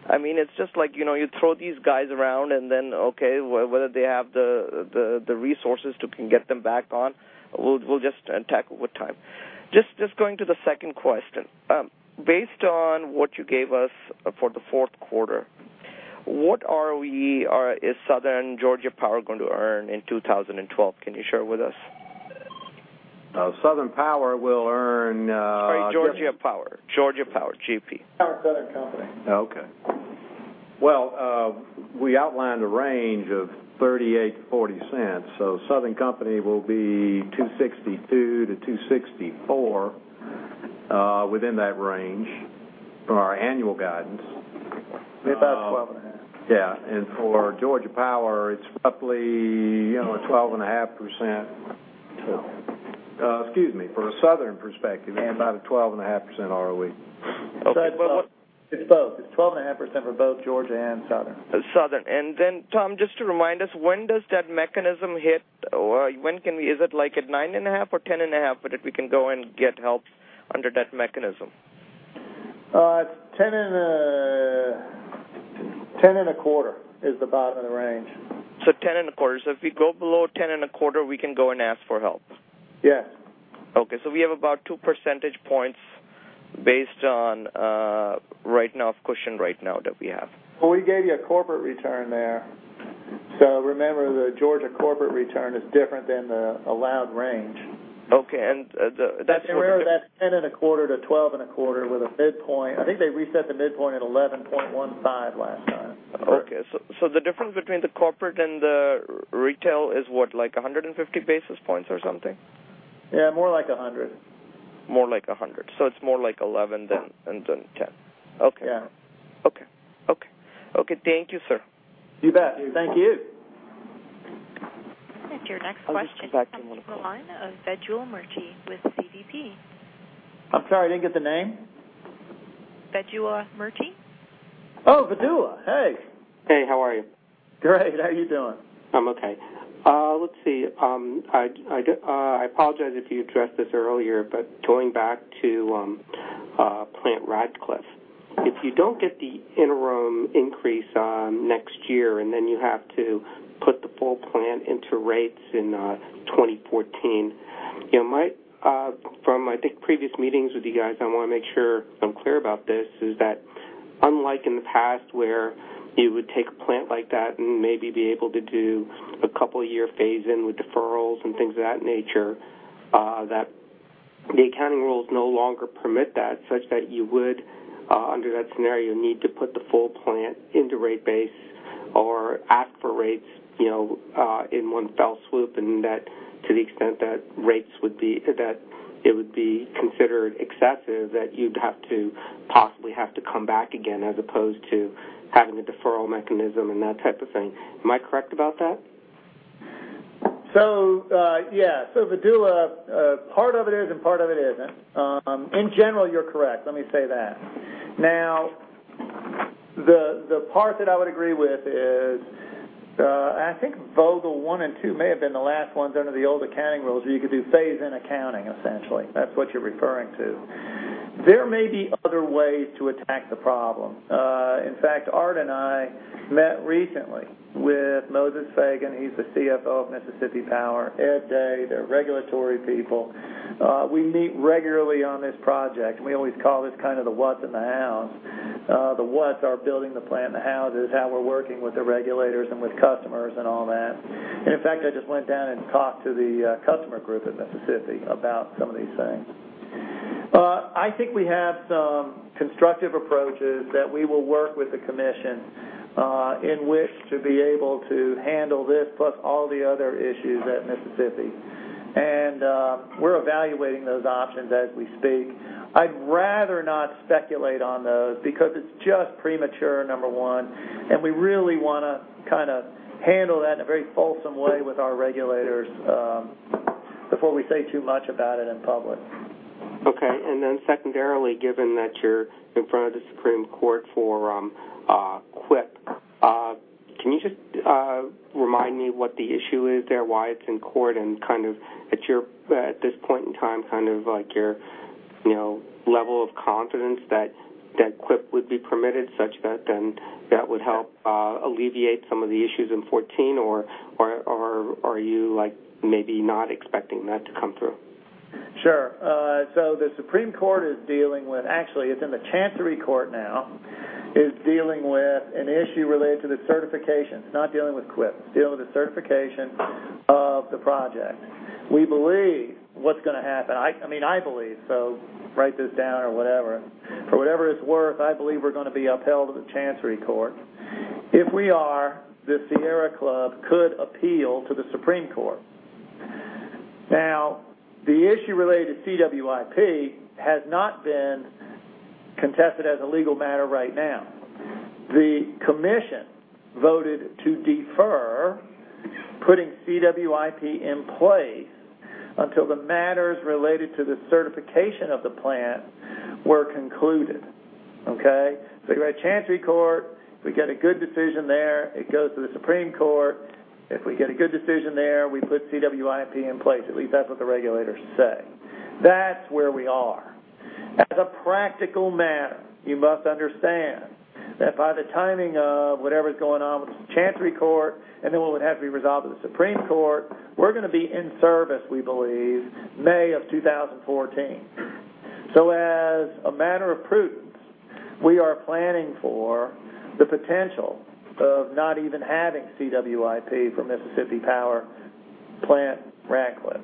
It's just like you throw these guys around and then, whether they have the resources to get them back on, we'll just tackle with time. Just going to the second question. Based on what you gave us for the fourth quarter, what are we or is Southern Georgia Power going to earn in 2012? Can you share with us? Southern Power will earn- Sorry, Georgia Power. Georgia Power, GP. Southern Company. Okay. Well, we outlined a range of $0.38-$0.40. Southern Company will be $2.62-$2.64, within that range for our annual guidance. About 12.5. Yeah. For Georgia Power, it's roughly a 12.5%. 12. Excuse me, from a Southern perspective, about a 12.5% ROE. It's both. It's 12.5% for both Georgia and Southern. Southern. Tom, just to remind us, when does that mechanism hit or is it like at nine and a half or 10 and a half that we can go and get help under that mechanism? 10 and a quarter is the bottom of the range. 10 and a quarter. If we go below 10 and a quarter, we can go and ask for help. Yes. Okay. We have about two percentage points based on right now of cushion right now that we have. Well, we gave you a corporate return there. Remember, the Georgia corporate return is different than the allowed range. Okay. Remember that ten and a quarter to twelve and a quarter with a midpoint. I think they reset the midpoint at 11.15 last time. Okay. The difference between the corporate and the retail is what? Like 150 basis points or something? Yeah, more like 100. More like 100. It's more like 11 than 10. Yeah. Okay. Thank you, sir. You bet. Thank you. Your next question. I'll just get back in one call comes from the line of Vedula Murti with CDP. I'm sorry, I didn't get the name. Vedula Murti. Oh, Vedula. Hey. Hey, how are you? Great. How are you doing? I'm okay. Let's see. I apologize if you addressed this earlier, going back to Plant Ratcliffe. If you don't get the interim increase next year, then you have to put the full plant into rates in 2014, from, I think, previous meetings with you guys, I want to make sure I'm clear about this, is that unlike in the past where you would take a plant like that and maybe be able to do a couple of year phase in with deferrals and things of that nature, that the accounting rules no longer permit that such that you would, under that scenario, need to put the full plant into rate base or ask for rates in one fell swoop, and that to the extent that it would be considered excessive, that you'd have to possibly come back again as opposed to having a deferral mechanism and that type of thing. Am I correct about that? Yeah. Vedula, part of it is, and part of it isn't. In general, you're correct, let me say that. The part that I would agree with is, I think Vogtle One and Two may have been the last ones under the old accounting rules where you could do phase in accounting, essentially. That's what you're referring to. There may be other ways to attack the problem. In fact, Art and I met recently with Moses Feagin, he's the CFO of Mississippi Power, Ed Day, their regulatory people. We meet regularly on this project, we always call this the what's and the how's. The what's are building the plan, the how's is how we're working with the regulators and with customers and all that. In fact, I just went down and talked to the customer group at Mississippi about some of these things. I think we have some constructive approaches that we will work with the commission, in which to be able to handle this, plus all the other issues at Mississippi. We're evaluating those options as we speak. I'd rather not speculate on those because it's just premature, number one, and we really want to handle that in a very fulsome way with our regulators before we say too much about it in public. Okay. Secondarily, given that you're in front of the Supreme Court for CWIP, can you just remind me what the issue is there, why it's in court, and at this point in time, your level of confidence that CWIP would be permitted such that then that would help alleviate some of the issues in 2014, or are you maybe not expecting that to come through? Sure. The Supreme Court is dealing with, actually it's in the Chancery Court now, is dealing with an issue related to the certification. It's not dealing with CWIP. It's dealing with the certification of the project. We believe what's going to happen, I believe, write this down or whatever. For whatever it's worth, I believe we're going to be upheld at the Chancery Court. If we are, the Sierra Club could appeal to the Supreme Court. The issue related to CWIP has not been contested as a legal matter right now. The commission voted to defer putting CWIP in place until the matters related to the certification of the plant were concluded. Okay? You go to Chancery Court, we get a good decision there, it goes to the Supreme Court. If we get a good decision there, we put CWIP in place. At least that's what the regulators say. That's where we are. As a practical matter, you must understand that by the timing of whatever's going on with the Chancery Court, and then what would have to be resolved with the Supreme Court, we're going to be in service, we believe, May of 2014. As a matter of prudence, we are planning for the potential of not even having CWIP for Mississippi Power Plant Ratcliffe.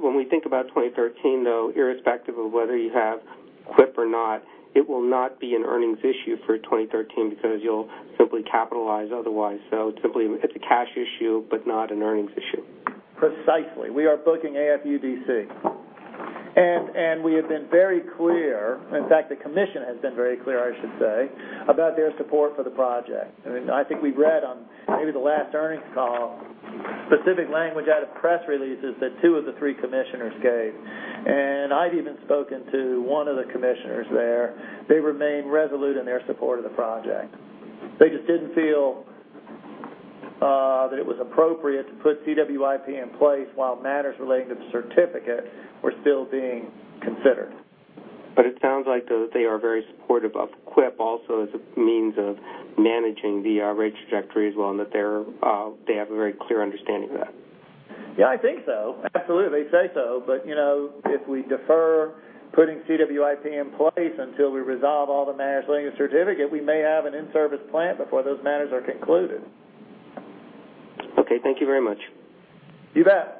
When we think about 2013, though, irrespective of whether you have CWIP or not, it will not be an earnings issue for 2013 because you'll simply capitalize otherwise. Simply it's a cash issue, not an earnings issue. Precisely. We are booking AFUDC. We have been very clear, in fact, the commission has been very clear, I should say, about their support for the project. I think we read on maybe the last earnings call, specific language out of press releases that two of the three commissioners gave. I've even spoken to one of the commissioners there. They remain resolute in their support of the project. They just didn't feel that it was appropriate to put CWIP in place while matters relating to the certificate were still being considered. It sounds like, though, that they are very supportive of CWIP also as a means of managing the rate trajectory as well, and that they have a very clear understanding of that. Yeah, I think so. Absolutely. They say so. If we defer putting CWIP in place until we resolve all the matters relating to certificate, we may have an in-service plant before those matters are concluded. Okay. Thank you very much. You bet.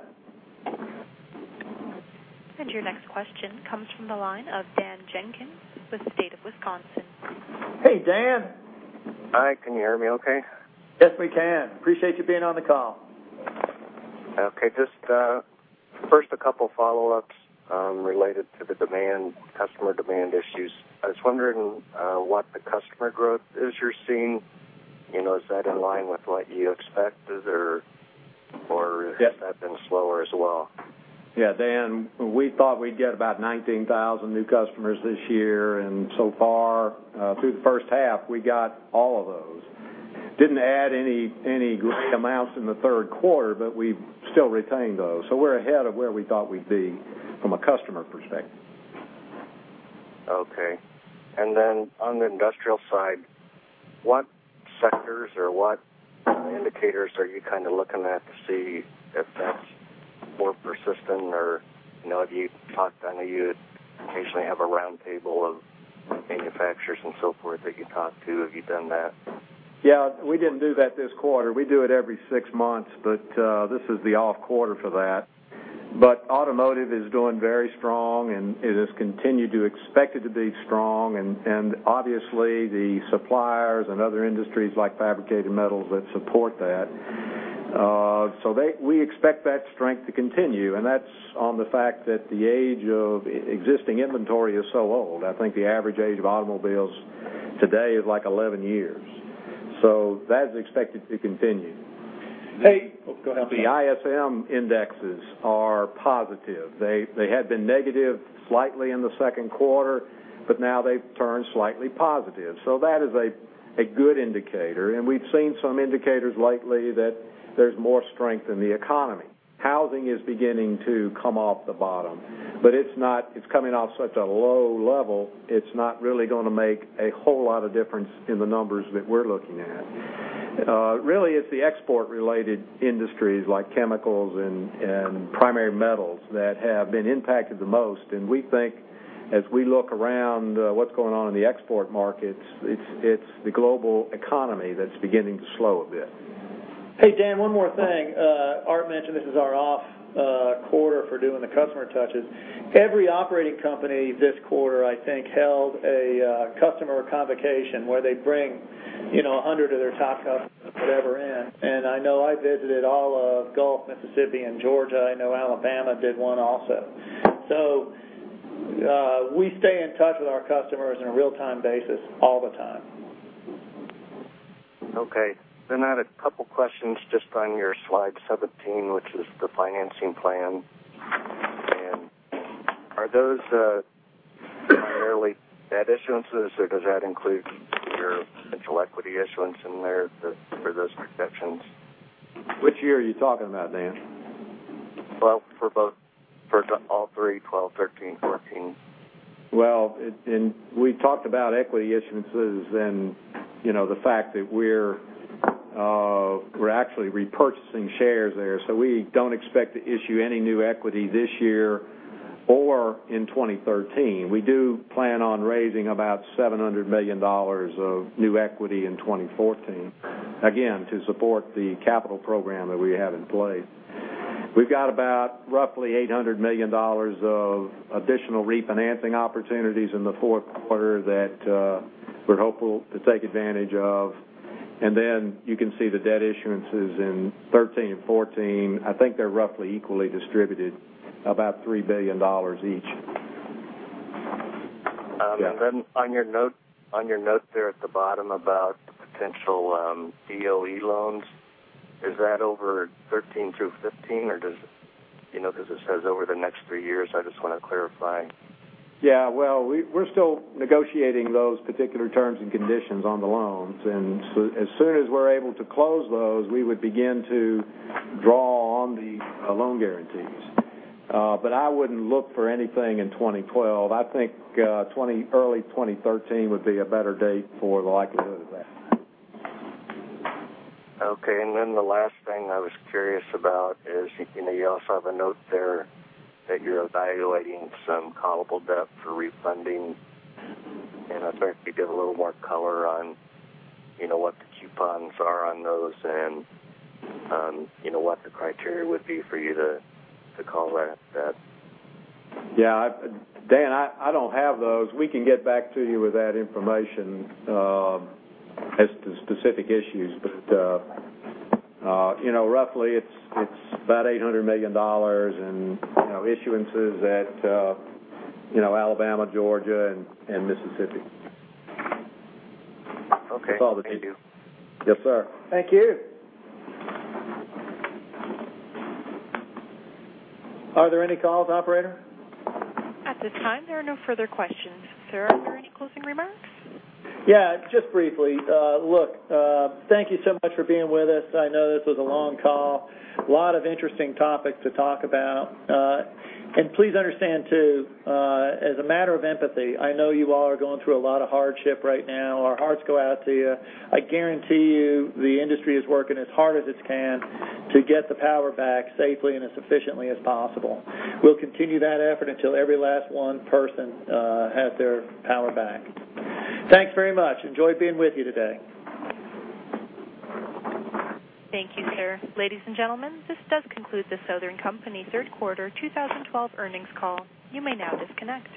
Your next question comes from the line of Dan Jenkins with the State of Wisconsin. Hey, Dan. Hi, can you hear me okay? Yes, we can. Appreciate you being on the call. Okay. Just first, a couple of follow-ups related to the customer demand issues. I was wondering what the customer growth is you're seeing. Is that in line with what you expected? Yes Has that been slower as well? Yeah, Dan, we thought we'd get about 19,000 new customers this year. So far, through the first half, we got all of those. Didn't add any great amounts in the third quarter, we've still retained those. We're ahead of where we thought we'd be from a customer perspective. Okay. Then on the industrial side, what sectors or what indicators are you looking at to see if that's more persistent? Have you talked-- I know you occasionally have a roundtable of manufacturers and so forth that you talk to. Have you done that? Yeah, we didn't do that this quarter. We do it every six months, this is the off quarter for that. Automotive is doing very strong, it is continued to expect it to be strong. Obviously, the suppliers and other industries like fabricated metals that support that. We expect that strength to continue. That's on the fact that the age of existing inventory is so old. I think the average age of automobiles today is 11 years. That is expected to continue. Hey. Oh, go ahead, I'm sorry. The ISM indexes are positive. They had been negative slightly in the second quarter, now they've turned slightly positive. That is a good indicator. We've seen some indicators lately that there's more strength in the economy. Housing is beginning to come off the bottom, it's coming off such a low level, it's not really going to make a whole lot of difference in the numbers that we're looking at. Really, it's the export-related industries like chemicals and primary metals that have been impacted the most. We think as we look around what's going on in the export markets, it's the global economy that's beginning to slow a bit. Hey, Dan, one more thing. Art mentioned this is our off quarter for doing the customer touches. Every operating company this quarter, I think, held a customer convocation where they bring 100 of their top customers, whatever, in. I know I visited all of Gulf, Mississippi, and Georgia. I know Alabama did one also. We stay in touch with our customers on a real-time basis all the time. Okay. I had a couple questions just on your slide 17, which is the financing plan. Are those primarily debt issuances or does that include your potential equity issuance in there for those projections? Which year are you talking about, Dan? Well, for all three, 2012, 2013, 2014. Well, we talked about equity issuances and the fact that we're actually repurchasing shares there. We don't expect to issue any new equity this year or in 2013. We do plan on raising about $700 million of new equity in 2014, again, to support the capital program that we have in place. We've got about roughly $800 million of additional refinancing opportunities in the fourth quarter that we're hopeful to take advantage of. You can see the debt issuances in 2013 and 2014. I think they're roughly equally distributed, about $3 billion each. On your note there at the bottom about potential DOE loans, is that over 2013 through 2015? Or does it, because it says over the next three years, I just want to clarify. Well, we're still negotiating those particular terms and conditions on the loans. As soon as we're able to close those, we would begin to draw on the loan guarantees. I wouldn't look for anything in 2012. I think early 2013 would be a better date for the likelihood of that. Okay. The last thing I was curious about is, you also have a note there that you're evaluating some callable debt for refunding. I'd like if you give a little more color on what the coupons are on those and what the criteria would be for you to call that debt. Yeah. Dan, I don't have those. We can get back to you with that information as to specific issues. Roughly it's about $800 million in issuances at Alabama, Georgia, and Mississippi. Okay. Thank you. Yes, sir. Thank you. Are there any calls, Operator? At this time, there are no further questions. Sir, are there any closing remarks? Yeah, just briefly. Look, thank you so much for being with us. I know this was a long call. A lot of interesting topics to talk about. Please understand, too, as a matter of empathy, I know you all are going through a lot of hardship right now. Our hearts go out to you. I guarantee you the industry is working as hard as it can to get the power back safely and as efficiently as possible. We'll continue that effort until every last one person has their power back. Thanks very much. Enjoyed being with you today. Thank you, Sir. Ladies and gentlemen, this does conclude The Southern Company third quarter 2012 earnings call. You may now disconnect.